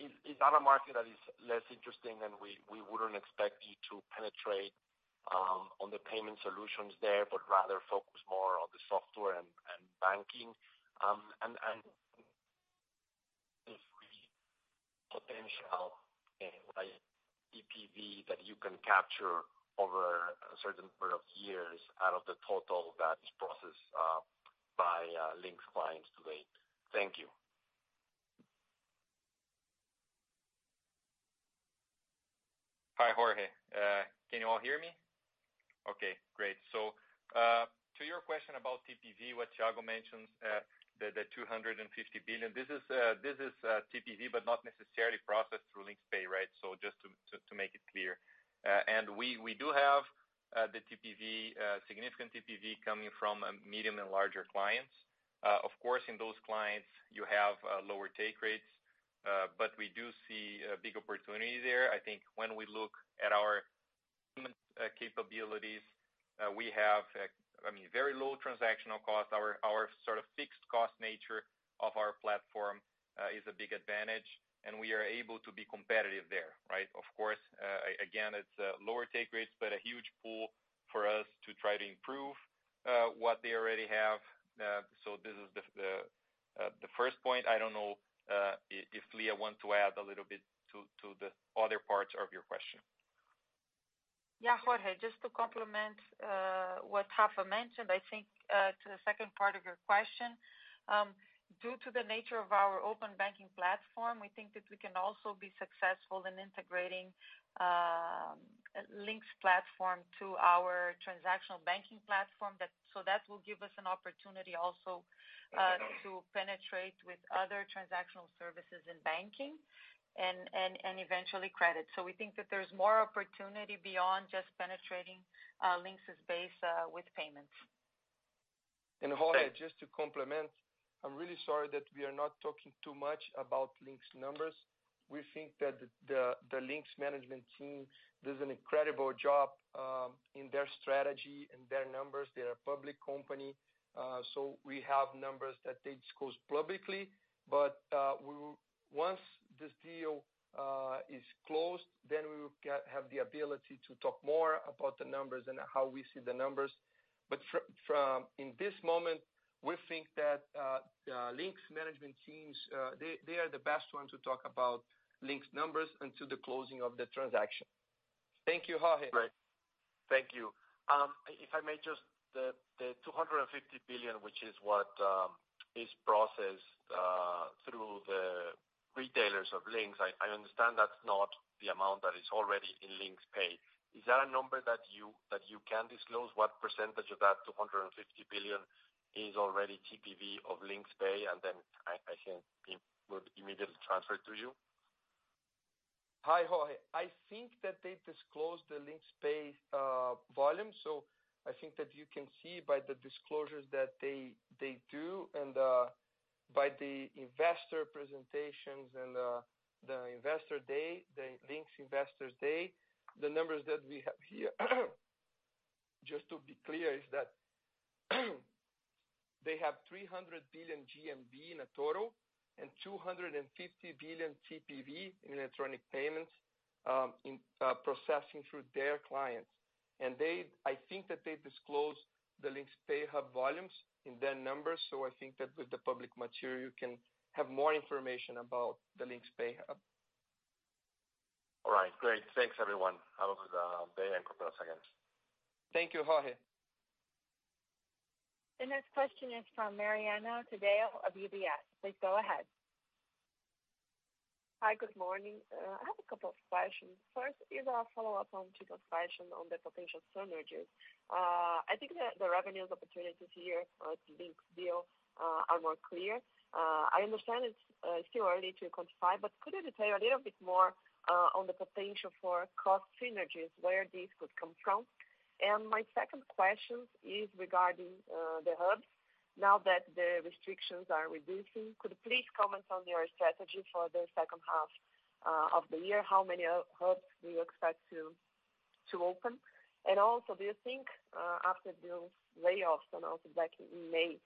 Is that a market that is less interesting, and we wouldn't expect you to penetrate on the payment solutions there, but rather focus more on the software and banking? If the potential TPV that you can capture over a certain number of years out of the total that is processed by Linx clients today. Thank you. Hi, Jorge. Can you all hear me? Okay, great. To your question about TPV, what Thiago mentioned, the 250 billion this is TPV, but not necessarily processed through Linx Pay, right? Just to make it clear. We do have the significant TPV coming from medium and larger clients. Of course, in those clients, you have lower take rates. But we do see a big opportunity there. I think when we look at our capabilities, we have very low transactional cost our sort of fixed cost nature of our platform is a big advantage, and we are able to be competitive there, right? Of course, again, it's lower take rates, but a huge pool for us to try to improve what they already have. This is the first point i don't know if Lia want to add a little bit to the other parts of your question. Yeah, Jorge, just to complement what Rafa mentioned, I think to the second part of your question. Due to the nature of our open banking platform, we think that we can also be successful in integrating Linx platform to our transactional banking platform that will give us an opportunity also to penetrate with other transactional services in banking? and eventually credit so we think that there's more opportunity beyond just penetrating Linx's base with payments. Jorge, just to complement, I'm really sorry that we are not talking too much about Linx numbers. We think that the Linx management team does an incredible job in their strategy and their numbers they're a public company. We have numbers that they disclose publicly. But once this deal is closed, we will have the ability to talk more about the numbers and how we see the numbers. In this moment, we think that Linx management teams are the best ones to talk about Linx numbers until the closing of the transaction. Thank you, Jorge. Great. Thank you. If I may just, the 250 billion, which is what is processed through the retailers of Linx i understand that is not the amount that is already in Linx Pay. Is that a number that you can disclose? What % of that 250 billion is already TPV of Linx Pay? I think we would immediately transfer to you. Hi, Jorge. I think that they disclosed the Linx Pay volume. I think that you can see by the disclosures that they do, and by the investor presentations and the Linx Investor's Day, the numbers that we have here. Just to be clear, is that they have 300 billion GMV in total and 250 billion TPV in electronic payments in processing through their clients. I think that they disclosed the Linx Pay Hub volumes in their numbers so i think that with the public material, you can have more information about the Linx Pay Hub. All right, great. Thanks, everyone. Have a good day and a couple of seconds. Thank you, Jorge. The next question is from Mariana Taddeo of UBS. Please go ahead. Hi, good morning. I have a couple of questions first, is a follow-up on Thiago's question on the potential synergies. I think that the revenues opportunities here with Linx deal are more clear. I understand it's still early to quantify, could you detail a little bit more on the potential for cost synergies, where these could come from? My second question is regarding the hubs. Now that the restrictions are reducing, could you please comment on your strategy for the second half of the year? How many hubs do you expect to open? Also, do you think after the layoffs and also back in May,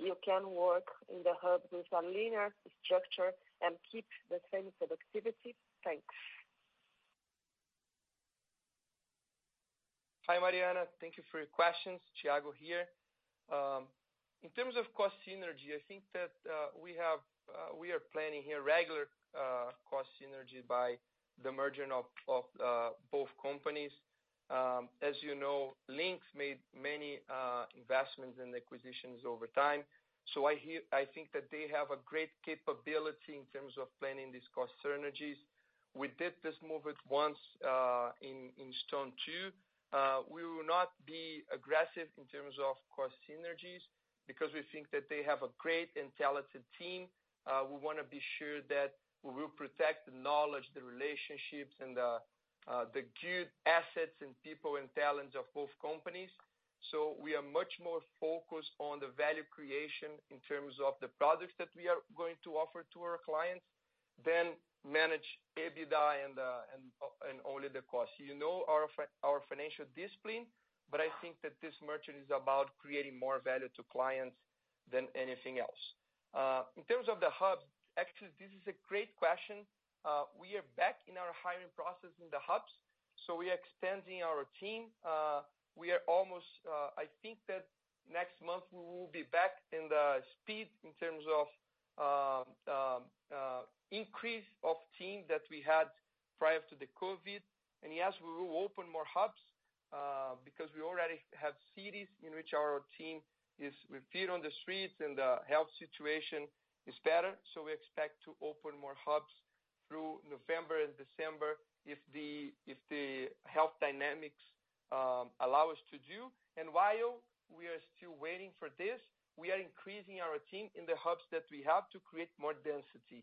you can work in the hubs with a linear structure and keep the same productivity? Thanks. Hi, Mariana. Thank you for your questions. Thiago here. In terms of cost synergy, I think that we are planning here regular cost synergy by the merging of both companies. As you know, Linx made many investments and acquisitions over time. I think that they have a great capability in terms of planning these cost synergies. We did this movement once in Stone too. We will not be aggressive in terms of cost synergies because we think that they have a great and talented team. We want to be sure that we will protect the knowledge, the relationships, and the good assets and people and talents of both companies. We are much more focused on the value creation in terms of the products that we are going to offer to our clients than manage EBITDA and only the cost you know our financial discipline, but I think that this merger is about creating more value to clients than anything else. In terms of the hubs, actually, this is a great question. We are back in our hiring process in the hubs, so we are extending our team. I think that next month we will be back in the speed in terms of increase of team that we had prior to the COVID. Yes, we will open more hubs, because we already have cities in which our team is with feet on the streets and the health situation is better so we expect to open more hubs through November and December if the health dynamics allow us to do and while we are still waiting for this, we are increasing our team in the hubs that we have to create more density.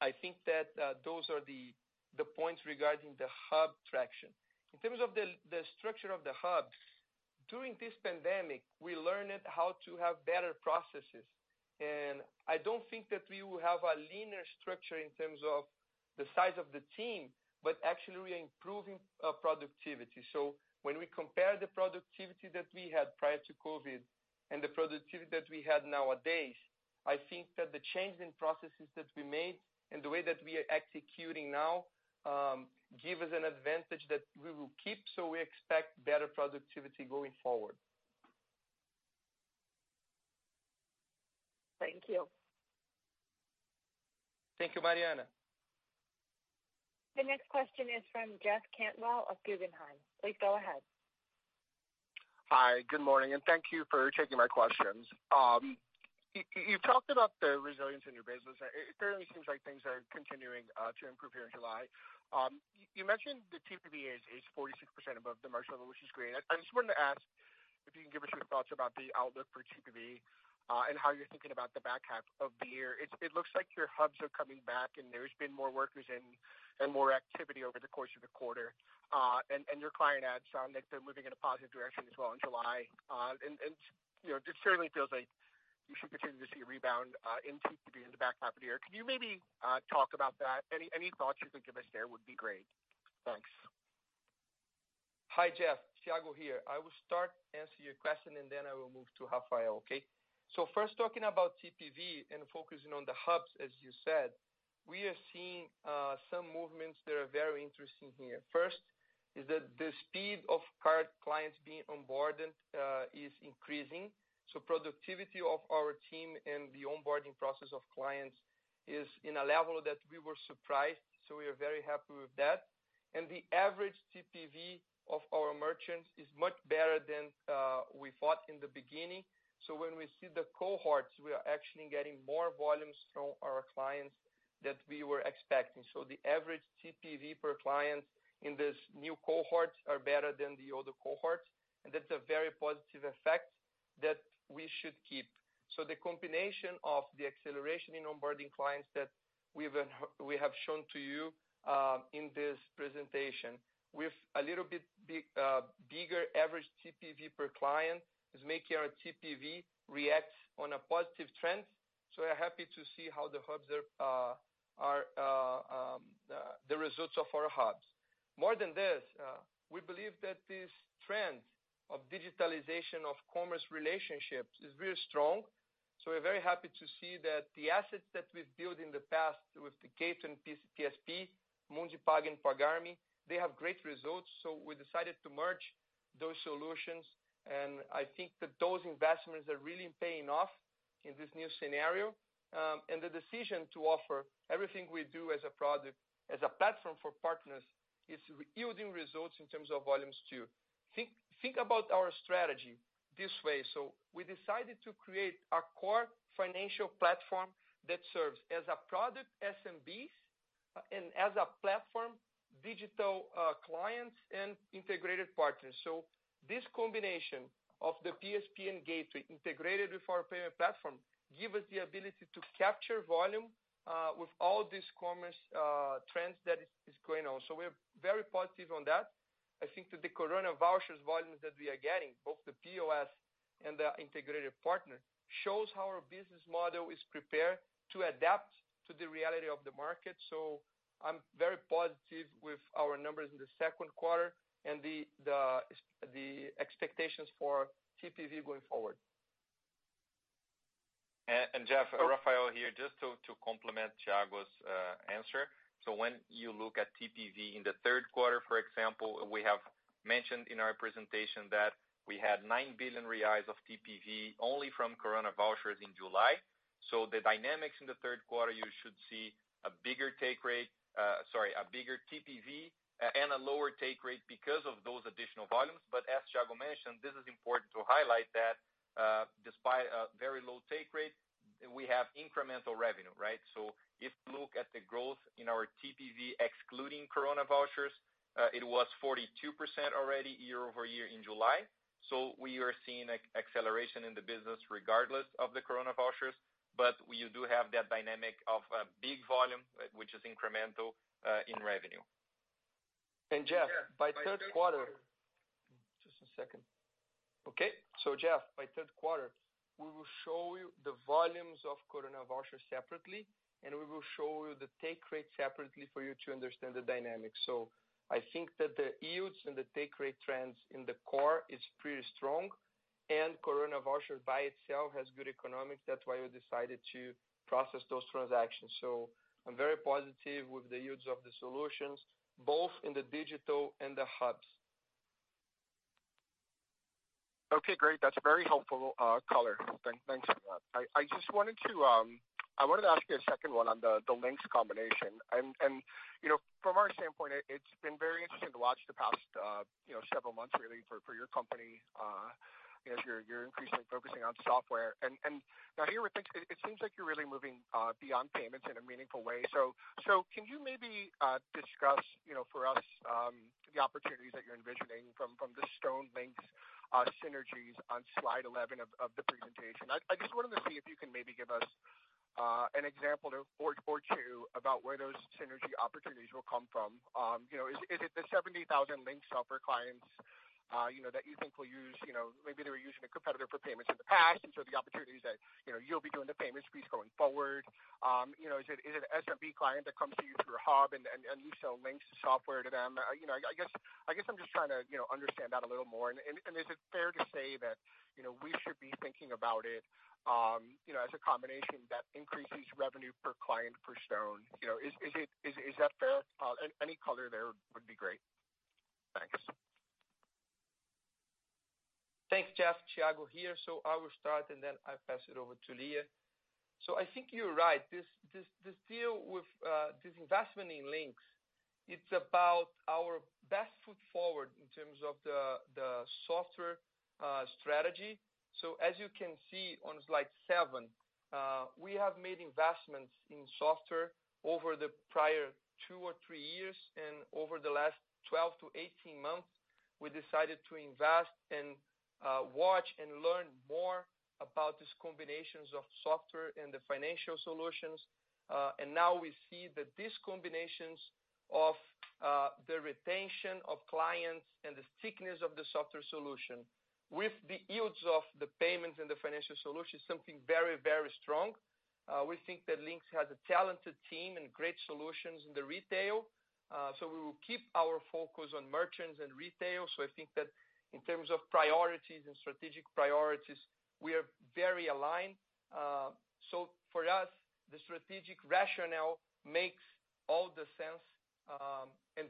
I think that those are the points regarding the hub traction. In terms of the structure of the hubs, during this pandemic, we learned how to have better processes. I don't think that we will have a linear structure in terms of the size of the team, but actually we are improving productivity so when we compare the productivity that we had prior to COVID and the productivity that we have nowadays, I think that the change in processes that we made and the way that we are executing now gives us an advantage that we will keep so we expect better productivity going forward. Thank you. Thank you, Mariana. The next question is from Jeff Cantwell of Guggenheim. Please go ahead. Hi, good morning, and thank you for taking my questions. You've talked about the resilience in your business it certainly seems like things are continuing to improve here in July. You mentioned the TPV is 46% above the March level, which is great i just wanted to ask if you can give us your thoughts about the outlook for TPV, and how you're thinking about the back half of the year it looks like your hubs are coming back and there's been more workers and more activity over the course of the quarter. Your client adds sound like they're moving in a positive direction as well in July. It certainly feels like you should continue to see a rebound in TPV in the back half of the year can you maybe talk about that? Any thoughts you could give us there would be great. Thanks. Hi, Jeff. Thiago here i will start answering your question and then I will move to Rafael, okay? First talking about TPV and focusing on the hubs, as you said, we are seeing some movements that are very interesting here first, is that the speed of card clients being onboarded is increasing, so productivity of our team and the onboarding process of clients is in a level that we were surprised. We are very happy with that. The average TPV of our merchants is much better than we thought in the beginning. When we see the cohorts, we are actually getting more volumes from our clients than we were expecting so the average TPV per client in this new cohort are better than the other cohorts. That's a very positive effect that we should keep. The combination of the acceleration in onboarding clients that we have shown to you in this presentation, with a little bit bigger average TPV per client, is making our TPV react on a positive trend. We are happy to see the results of our hubs. More than this, we believe that this trend of digitalization of commerce relationships is very strong. We're very happy to see that the assets that we've built in the past with the Gateway and PSP, Mundipagg and Pagar.me, they have great results, so we decided to merge those solutions. I think that those investments are really paying off in this new scenario. The decision to offer everything we do as a platform for partners is yielding results in terms of volumes too. Think about our strategy this way so- We decided to create a core financial platform that serves as a product SMBs, and as a platform, digital clients and integrated partners. This combination of the PSP and Gateway integrated with our payment platform gives us the ability to capture volume with all these commerce trends that is going on so we are very positive on that. I think that the Coronavouchers volumes that we are getting, both the POS and the integrated partner, shows how our business model is prepared to adapt to the reality of the market. I'm very positive with our numbers in the Q2 and the expectations for TPV going forward. Jeff, Rafael here, just to complement Thiago's answer. When you look at TPV in the Q3, for example, we have mentioned in our presentation that we had 9 billion reais of TPV only from Coronavouchers in July. The dynamics in the Q3, you should see a bigger TPV and a lower take rate because of those additional volumes but as Thiago mentioned, this is important to highlight that- -despite a very low take rate, we have incremental revenue right? If you look at the growth in our TPV excluding Coronavouchers, it was 42% already year-over-year in July. We are seeing acceleration in the business regardless of the Coronavouchers. But you do have that dynamic of a big volume, which is incremental in revenue. Jeff, by Q3, we will show you the volumes of Coronavouchers separately, and we will show you the take rate separately for you to understand the dynamics. I think that the yields and the take rate trends in the core is pretty strong. Coronavouchers by itself has good economics that's why we decided to process those transactions. I'm very positive with the yields of the solutions, both in the digital and the hubs. Okay, great that's very helpful color. Thanks for that. I wanted to ask you a second one on the Linx combination. From our standpoint, it's been very interesting to watch the past several months really for your company as you're increasingly focusing on software. Now here with Linx, it seems like you're really moving beyond payments in a meaningful way. Can you maybe discuss for us the opportunities that you're envisioning from the Stone, Linx synergies on slide 11 of the presentation? I just wanted to see if you can maybe give us an example or two about where those synergy opportunities will come from. Is it the 70,000 Linx software clients that you think maybe they were using a competitor for payments in the past, and so the opportunity is that you'll be doing the payments piece going forward. Is it an SMB client that comes to you through a hub and you sell Linx software to them? I guess I'm just trying to understand that a little more and is it fair to say that we should be thinking about it as a combination that increases revenue per client per Stone? Is that fair? Any color there would be great. Thanks. Thanks, Jeff. Thiago here i will start and then I'll pass it over to Lia. I think you're right this deal with this investment in Linx, it's about our best foot forward in terms of the software strategy. As you can see on slide seven, we have made investments in software over the prior two or three years, and over the last 12 to 18 months, we decided to invest and watch and learn more about these combinations of software and the financial solutions. Now we see that these combinations of the retention of clients and the thickness of the software solution with the yields of the payments and the financial solution is something very strong. We think that Linx has a talented team and great solutions in the retail. We will keep our focus on merchants and retail so i think that in terms of priorities and strategic priorities, we are very aligned so for us, the strategic rationale makes all the sense.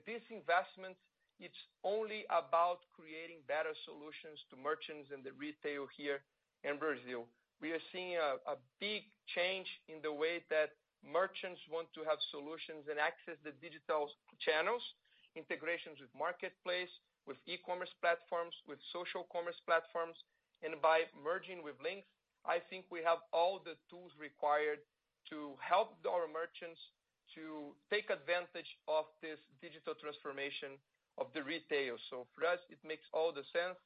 This investment, it's only about creating better solutions to merchants and the retail here in Brazil. We are seeing a big change in the way that merchants want to have solutions and access the digital channels, integrations with marketplace, with e-commerce platforms, with social commerce platforms- -and by merging with Linx, I think we have all the tools required to help our merchants to take advantage of this digital transformation of the retail so for us, it makes all the sense.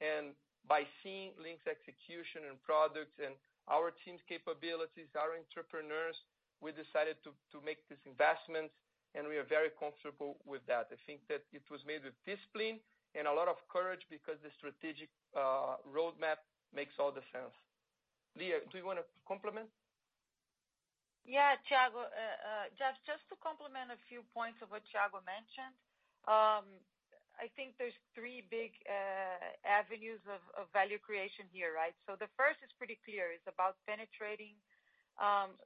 And by seeing Linx execution and products and our team's capabilities, our entrepreneurs, we decided to make this investment, and we are very comfortable with that i think that it was made with discipline and a lot of courage because the strategic roadmap makes all the sense. Lia, do you want to complement? Yeah, Thiago. Jeff, just to complement a few points of what Thiago mentioned. I think there's three big avenues of value creation here, right the first is pretty clear it's about penetrating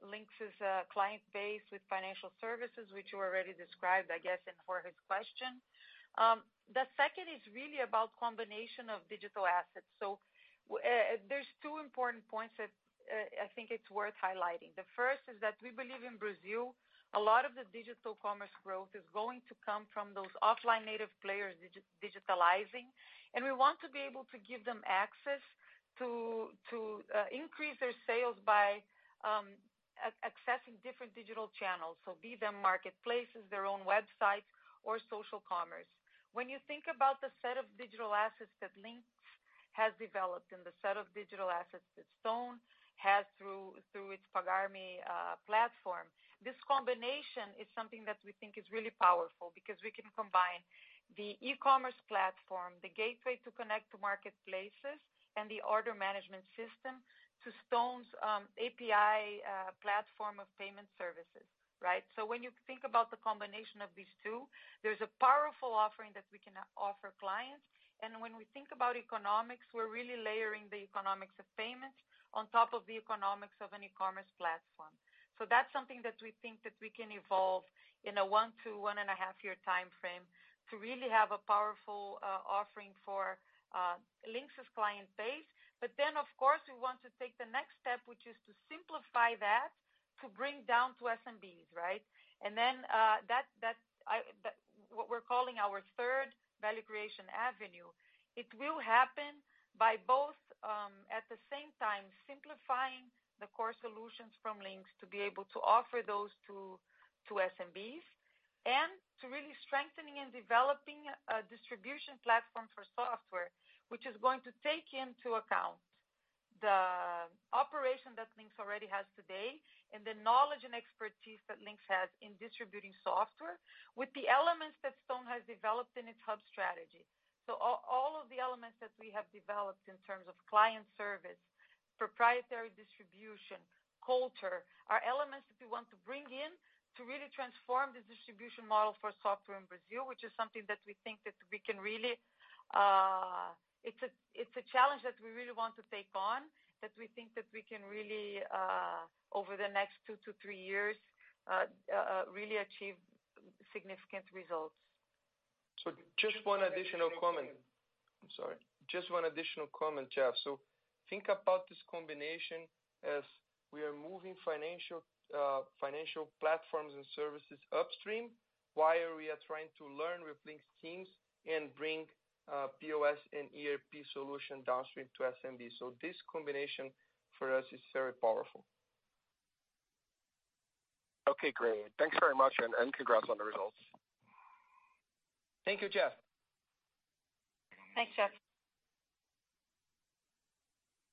Linx's client base with financial services, which you already described, I guess, in Jorge's question. The second is really about combination of digital assets. There's two important points that I think it's worth highlighting the first is that we believe in Brazil, a lot of the digital commerce growth is going to come from those offline native players digitalizing. We want to be able to give them access to increase their sales by accessing different digital channels, so be them marketplaces, their own websites or social commerce. When you think about the set of digital assets that Linx has developed and the set of digital assets that Stone has through its Pagar.me platform, this combination is something that we think is really powerful because we can combine the e-commerce platform, the Gateway to connect to marketplaces, and the order management system to Stone's API platform of payment services, right? When you think about the combination of these two, there's a powerful offering that we can offer clients. When we think about economics, we're really layering the economics of payments on top of the economics of an e-commerce platform. That's something that we think that we can evolve in a one to one and a half year timeframe to really have a powerful offering for Linx's client base, but then of course, we want to take the next step, which is to simplify that to bring down to SMBs, right? What we're calling our third value creation avenue, it will happen by both at the same time simplifying the core solutions from Linx to be able to offer those to SMBs and to really strengthening and developing a distribution platform for software, which is going to take into account the operation that Linx already has today and the knowledge and expertise that Linx has in distributing software with the elements that Stone has developed in its hub strategy. All of the elements that we have developed in terms of client service, proprietary distribution, culture, are elements that we want to bring in to really transform the distribution model for software in Brazil it's a challenge that we really want to take on, that we think that we can really over the next two to three years really achieve significant results. Just one additional comment. I'm sorry just one additional comment, Jeff so, think about this combination as we are moving financial platforms and services upstream while we are trying to learn with Linx teams and bring POS and ERP solution downstream to SMB so this combination for us is very powerful. Okay, great. Thanks very much and congrats on the results. Thank you, Jeff. Thanks, Jeff.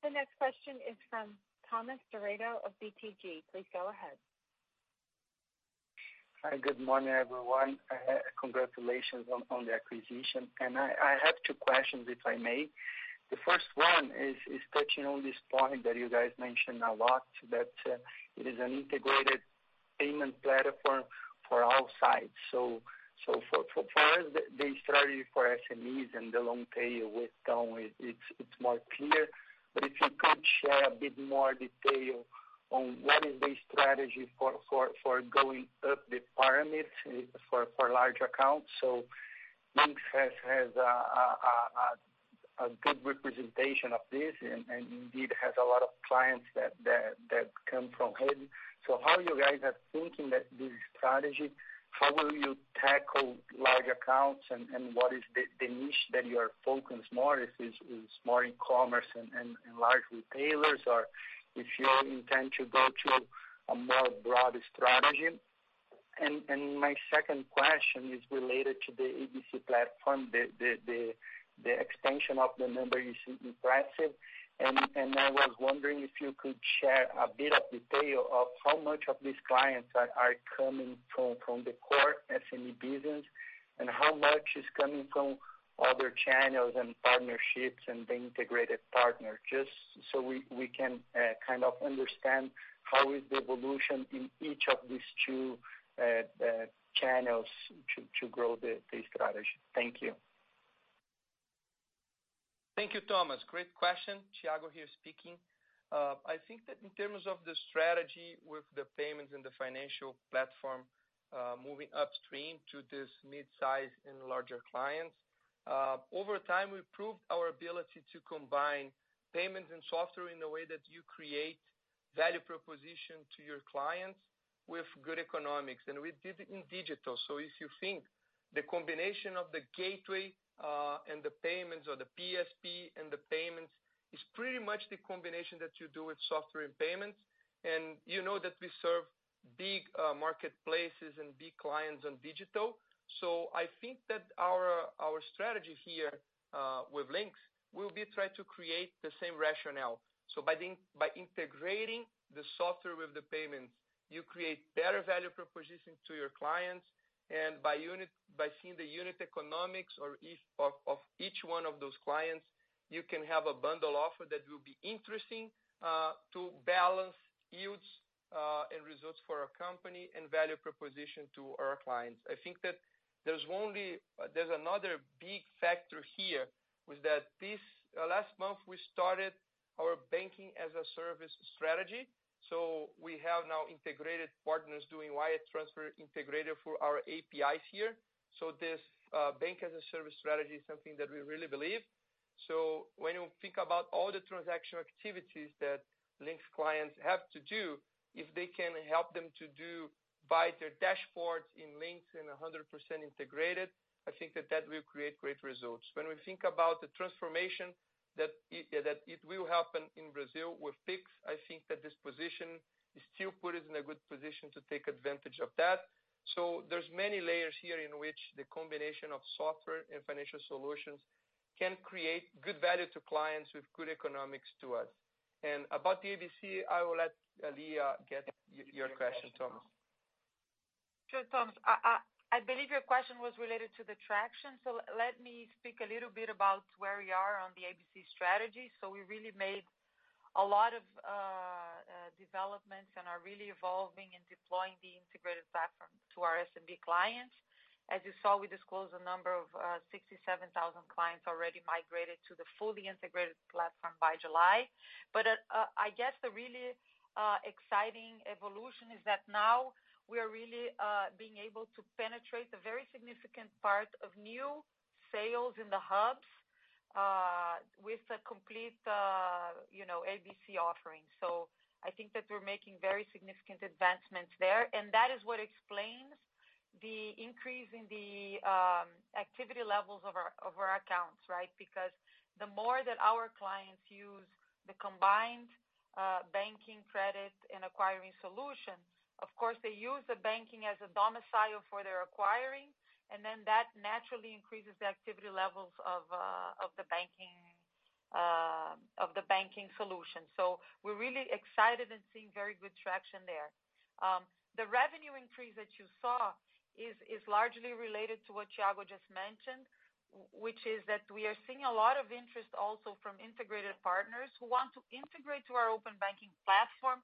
The next question is from Eduardo Rosman of BTG. Please go ahead. Hi, good morning, everyone. Congratulations on the acquisition and i have two questions, if I may. The first one is touching on this point that you guys mentioned a lot, that it is an integrated payment platform for all sides. For us, the strategy for SMEs and the long tail with Stone, it's more clear. If you could share a bit more detail on what is the strategy for going up the pyramid for large accounts. Linx has a good representation of this and indeed has a lot of clients that come from heavy. How you guys are thinking that this strategy? how will you tackle large accounts and what is the niche that you are focused more, if it's more in commerce and large retailers? or if you intend to go to a more broad strategy? My second question is related to the ABC platform, the extension of the number is impressive. I was wondering if you could share a bit of detail of how much of these clients are coming from the core SME business and how much is coming from other channels and partnerships and the integrated partner, just so we can kind of understand how is the evolution in each of these two channels to grow the strategy. Thank you. Thank you, Eduardo great question. Thiago here speaking. I think that in terms of the strategy with the payments and the financial platform. Moving upstream to these midsize and larger clients. Over time, we've proved our ability to combine payments and software in a way that you create value proposition to your clients- -with good economics, and we did it in digital so if you think the combination of the Gateway and the payments or the PSP and the payments is pretty much the combination that you do with software and payments and, you know that we serve big marketplaces and big clients on digital. I think that our strategy here with Linx will be try to create the same rationale. By integrating the software with the payments, you create better value proposition to your clients, and by seeing the unit economics of each one of those clients, you can have a bundle offer that will be interesting to balance yields and results for our company and value proposition to our clients i think that there's another big factor here, with that this last month, we started our Banking-as-a-Service strategy. We have now integrated partners doing wire transfer integrated for our APIs here. This Banking-as-a-Service strategy is something that we really believe. When you think about all the transaction activities that Linx clients have to do, if they can help them to do via their dashboards in Linx and 100% integrated, I think that that will create great results when we think about the transformation that it will happen in Brazil with Pix, I think that this position still put us in a good position to take advantage of that. There's many layers here in which the combination of software and financial solutions can create good value to clients with good economics to us. About the ABC, I will let Lia get your question, Eduardo. Sure. Eduardo, I believe your question was related to the traction, let me speak a little bit about where we are on the ABC strategy so we really made a lot of developments and are really evolving and deploying the integrated platform to our SMB clients. As you saw, we disclosed a number of 67,000 clients already migrated to the fully integrated platform by July. I guess the really exciting evolution is that now we are really being able to penetrate a very significant part of new sales in the hubs, with a complete ABC offering. I think that we're making very significant advancements there, and that is what explains the increase in the activity levels of our accounts, right? The more that our clients use the combined banking credit and acquiring solution, of course, they use the banking as a domicile for their acquiring, and then that naturally increases the activity levels of the banking solution so, we're really excited and seeing very good traction there. The revenue increase that you saw is largely related to what Thiago just mentioned, which is that we are seeing a lot of interest also from integrated partners who want to integrate to our open banking platform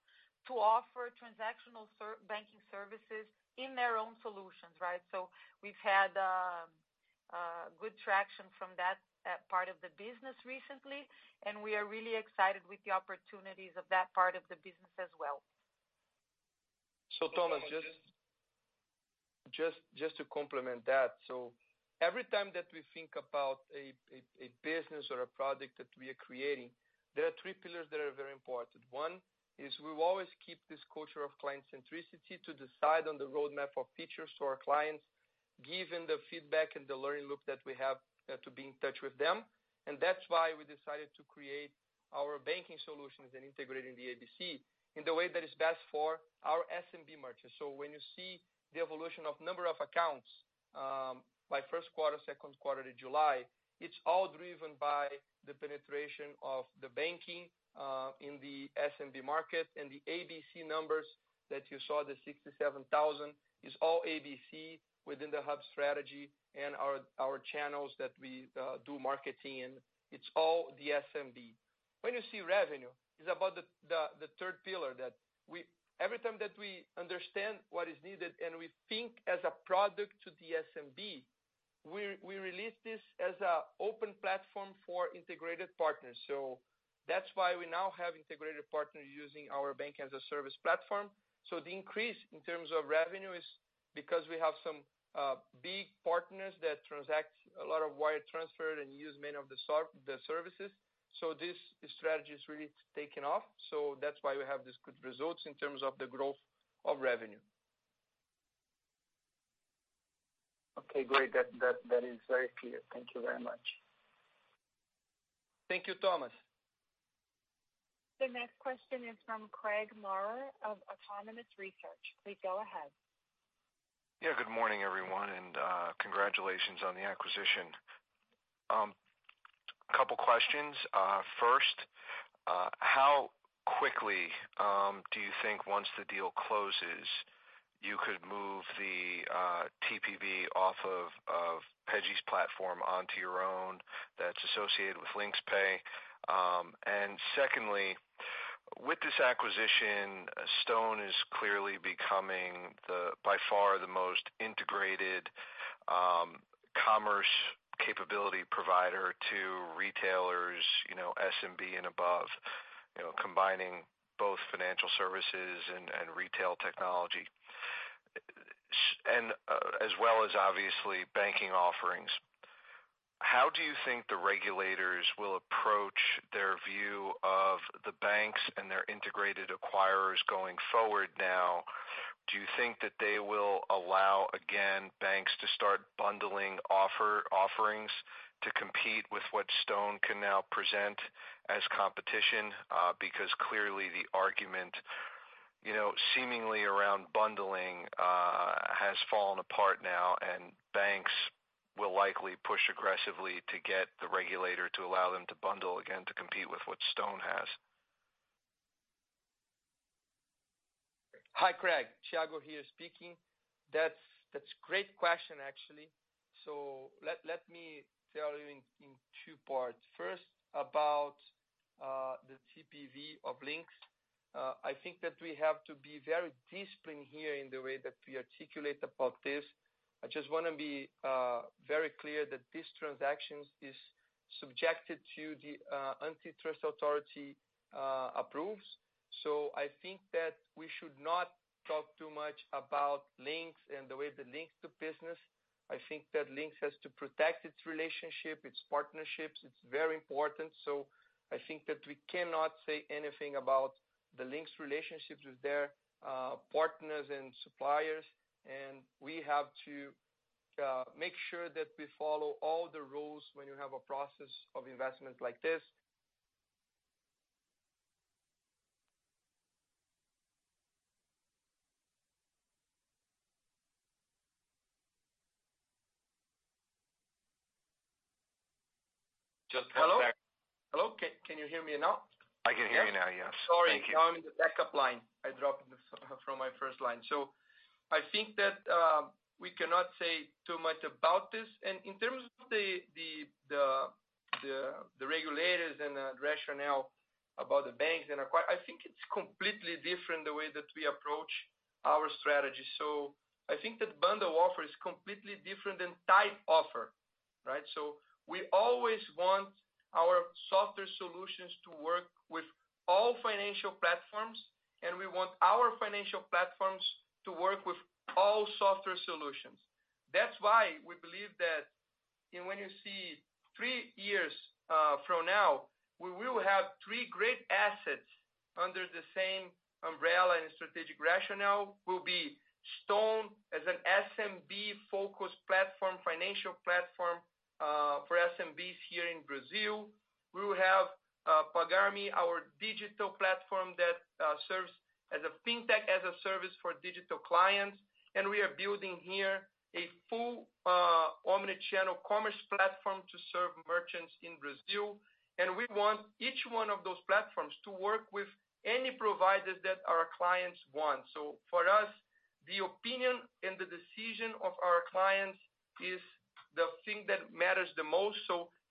to offer transactional banking services in their own solutions right, so we've had good traction from that part of the business recently, and we are really excited with the opportunities of that part of the business as well. Eduardo, just to complement that. Every time that we think about a business or a product that we are creating, there are three pillars that are very important one, is we will always keep this culture of client centricity to decide on the roadmap of features to our clients, given the feedback and the learning loop that we have to be in touch with them. That's why we decided to create our banking solutions and integrating the ABC in the way that is best for our SMB merchants so when you see the evolution of number of accounts by Q1, Q2 to July, it's all driven by the penetration of the banking in the SMB market and the ABC numbers that you saw, the 67,000, is all ABC within the hub strategy and our channels that we do marketing in it's all the SMB. When you see revenue, it's about the third pillar. Every time that we understand what is needed and we think as a product to the SMB, we release this as an open platform for integrated partners. That's why we now have integrated partners using our bank-as-a-service platform. The increase in terms of revenue is because we have some big partners that transact a lot of wire transfer and use many of the services. This strategy is really taking off so that's why we have these good results in terms of the growth of revenue. Okay, great. That is very clear. Thank you very much. Thank you. Eduardo. The next question is from Craig Maurer of Autonomous Research. Please go ahead. Yeah good morning, everyone, and congratulations on the acquisition. A couple questions. First, how quickly do you think once the deal closes, you could move the TPV off of PagHiper's platform onto your own that's associated with Linx Pay? Secondly, with this acquisition, Stone is clearly becoming by far the most integrated commerce capability provider to retailers, SMB and above, combining both financial services and retail technology, as well as obviously banking offerings. How do you think the regulators will approach their view of the banks and their integrated acquirers going forward now? Do you think that they will allow, again, banks to start bundling offerings to compete with what Stone can now present as competition? Clearly the argument seemingly around bundling has fallen apart now, and banks will likely push aggressively to get the regulator to allow them to bundle again to compete with what Stone has. Hi, Craig. Thiago here speaking. That's great question, actually. Let me tell you in two parts first, about the TPV of Linx. I think that we have to be very disciplined here in the way that we articulate about this. I just want to be very clear that this transaction is subjected to the antitrust authority approves. I think that we should not talk too much about Linx and the way that Linx do business. I think that Linx has to protect its relationship, its partnerships it's very important. I think that we cannot say anything about the Linx relationships with their partners and suppliers. We have to make sure that we follow all the rules when you have a process of investment like this. Just one sec. Hello? Can you hear me now? I can hear you now, yeah. Sorry. Thank you. I'm in the backup line. I dropped from my first line. I think that we cannot say too much about this and in terms of the regulators and the rationale about the banks and acquire, I think it's completely different the way that we approach our strategy. I think that bundle offer is completely different than tied offer, right? We always want our software solutions to work with all financial platforms, and we want our financial platforms to work with all software solutions. That's why we believe that when you see three years from now, we will have three great assets under the same umbrella and strategic rationale it will be Stone as an SMB-focused platform, financial platform for SMBs here in Brazil. We will have Pagar.me, our digital platform that serves as a fintech, as a service for digital clients. We are building here a full omni-channel commerce platform to serve merchants in Brazil. We want each one of those platforms to work with any providers that our clients want so for us, the opinion and the decision of our clients is the thing that matters the most.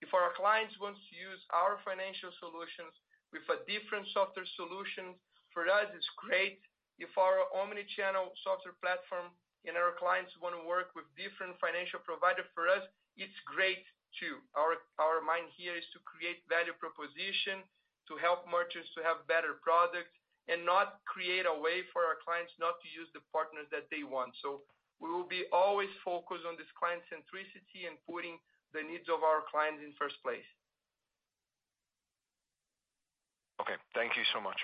If our clients want to use our financial solutions with a different software solution, for us, it's great. If our omni-channel software platform and our clients want to work with different financial provider, for us, it's great, too our mind here is to create value proposition, to help merchants to have better products, and not create a way for our clients not to use the partners that they want. We will be always focused on this client centricity and putting the needs of our clients in first place. Okay. Thank you so much.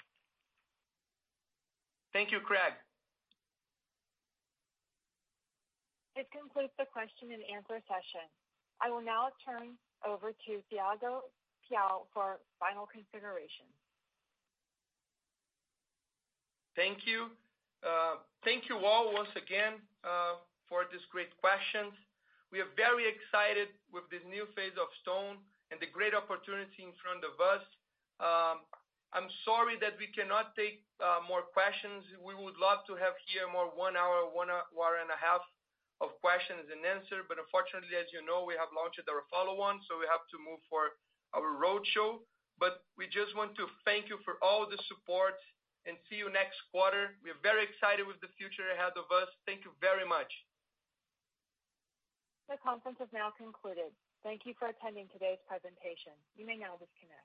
Thank you, Craig. This concludes the question and answer session. I will now turn over to Thiago Piau for final considerations. Thank you. Thank you all once again for these great questions. We are very excited with this new phase of Stone and the great opportunity in front of us. I'm sorry that we cannot take more questions we would love to have here more one hour, one hour and a half of questions and answer but unfortunately, as you know, we have launched the follow-on. We have to move for our roadshow but, we just want to thank you for all the support and see you next quarter. We are very excited with the future ahead of us. Thank you very much. The conference has now concluded. Thank you for attending today's presentation. You may now disconnect.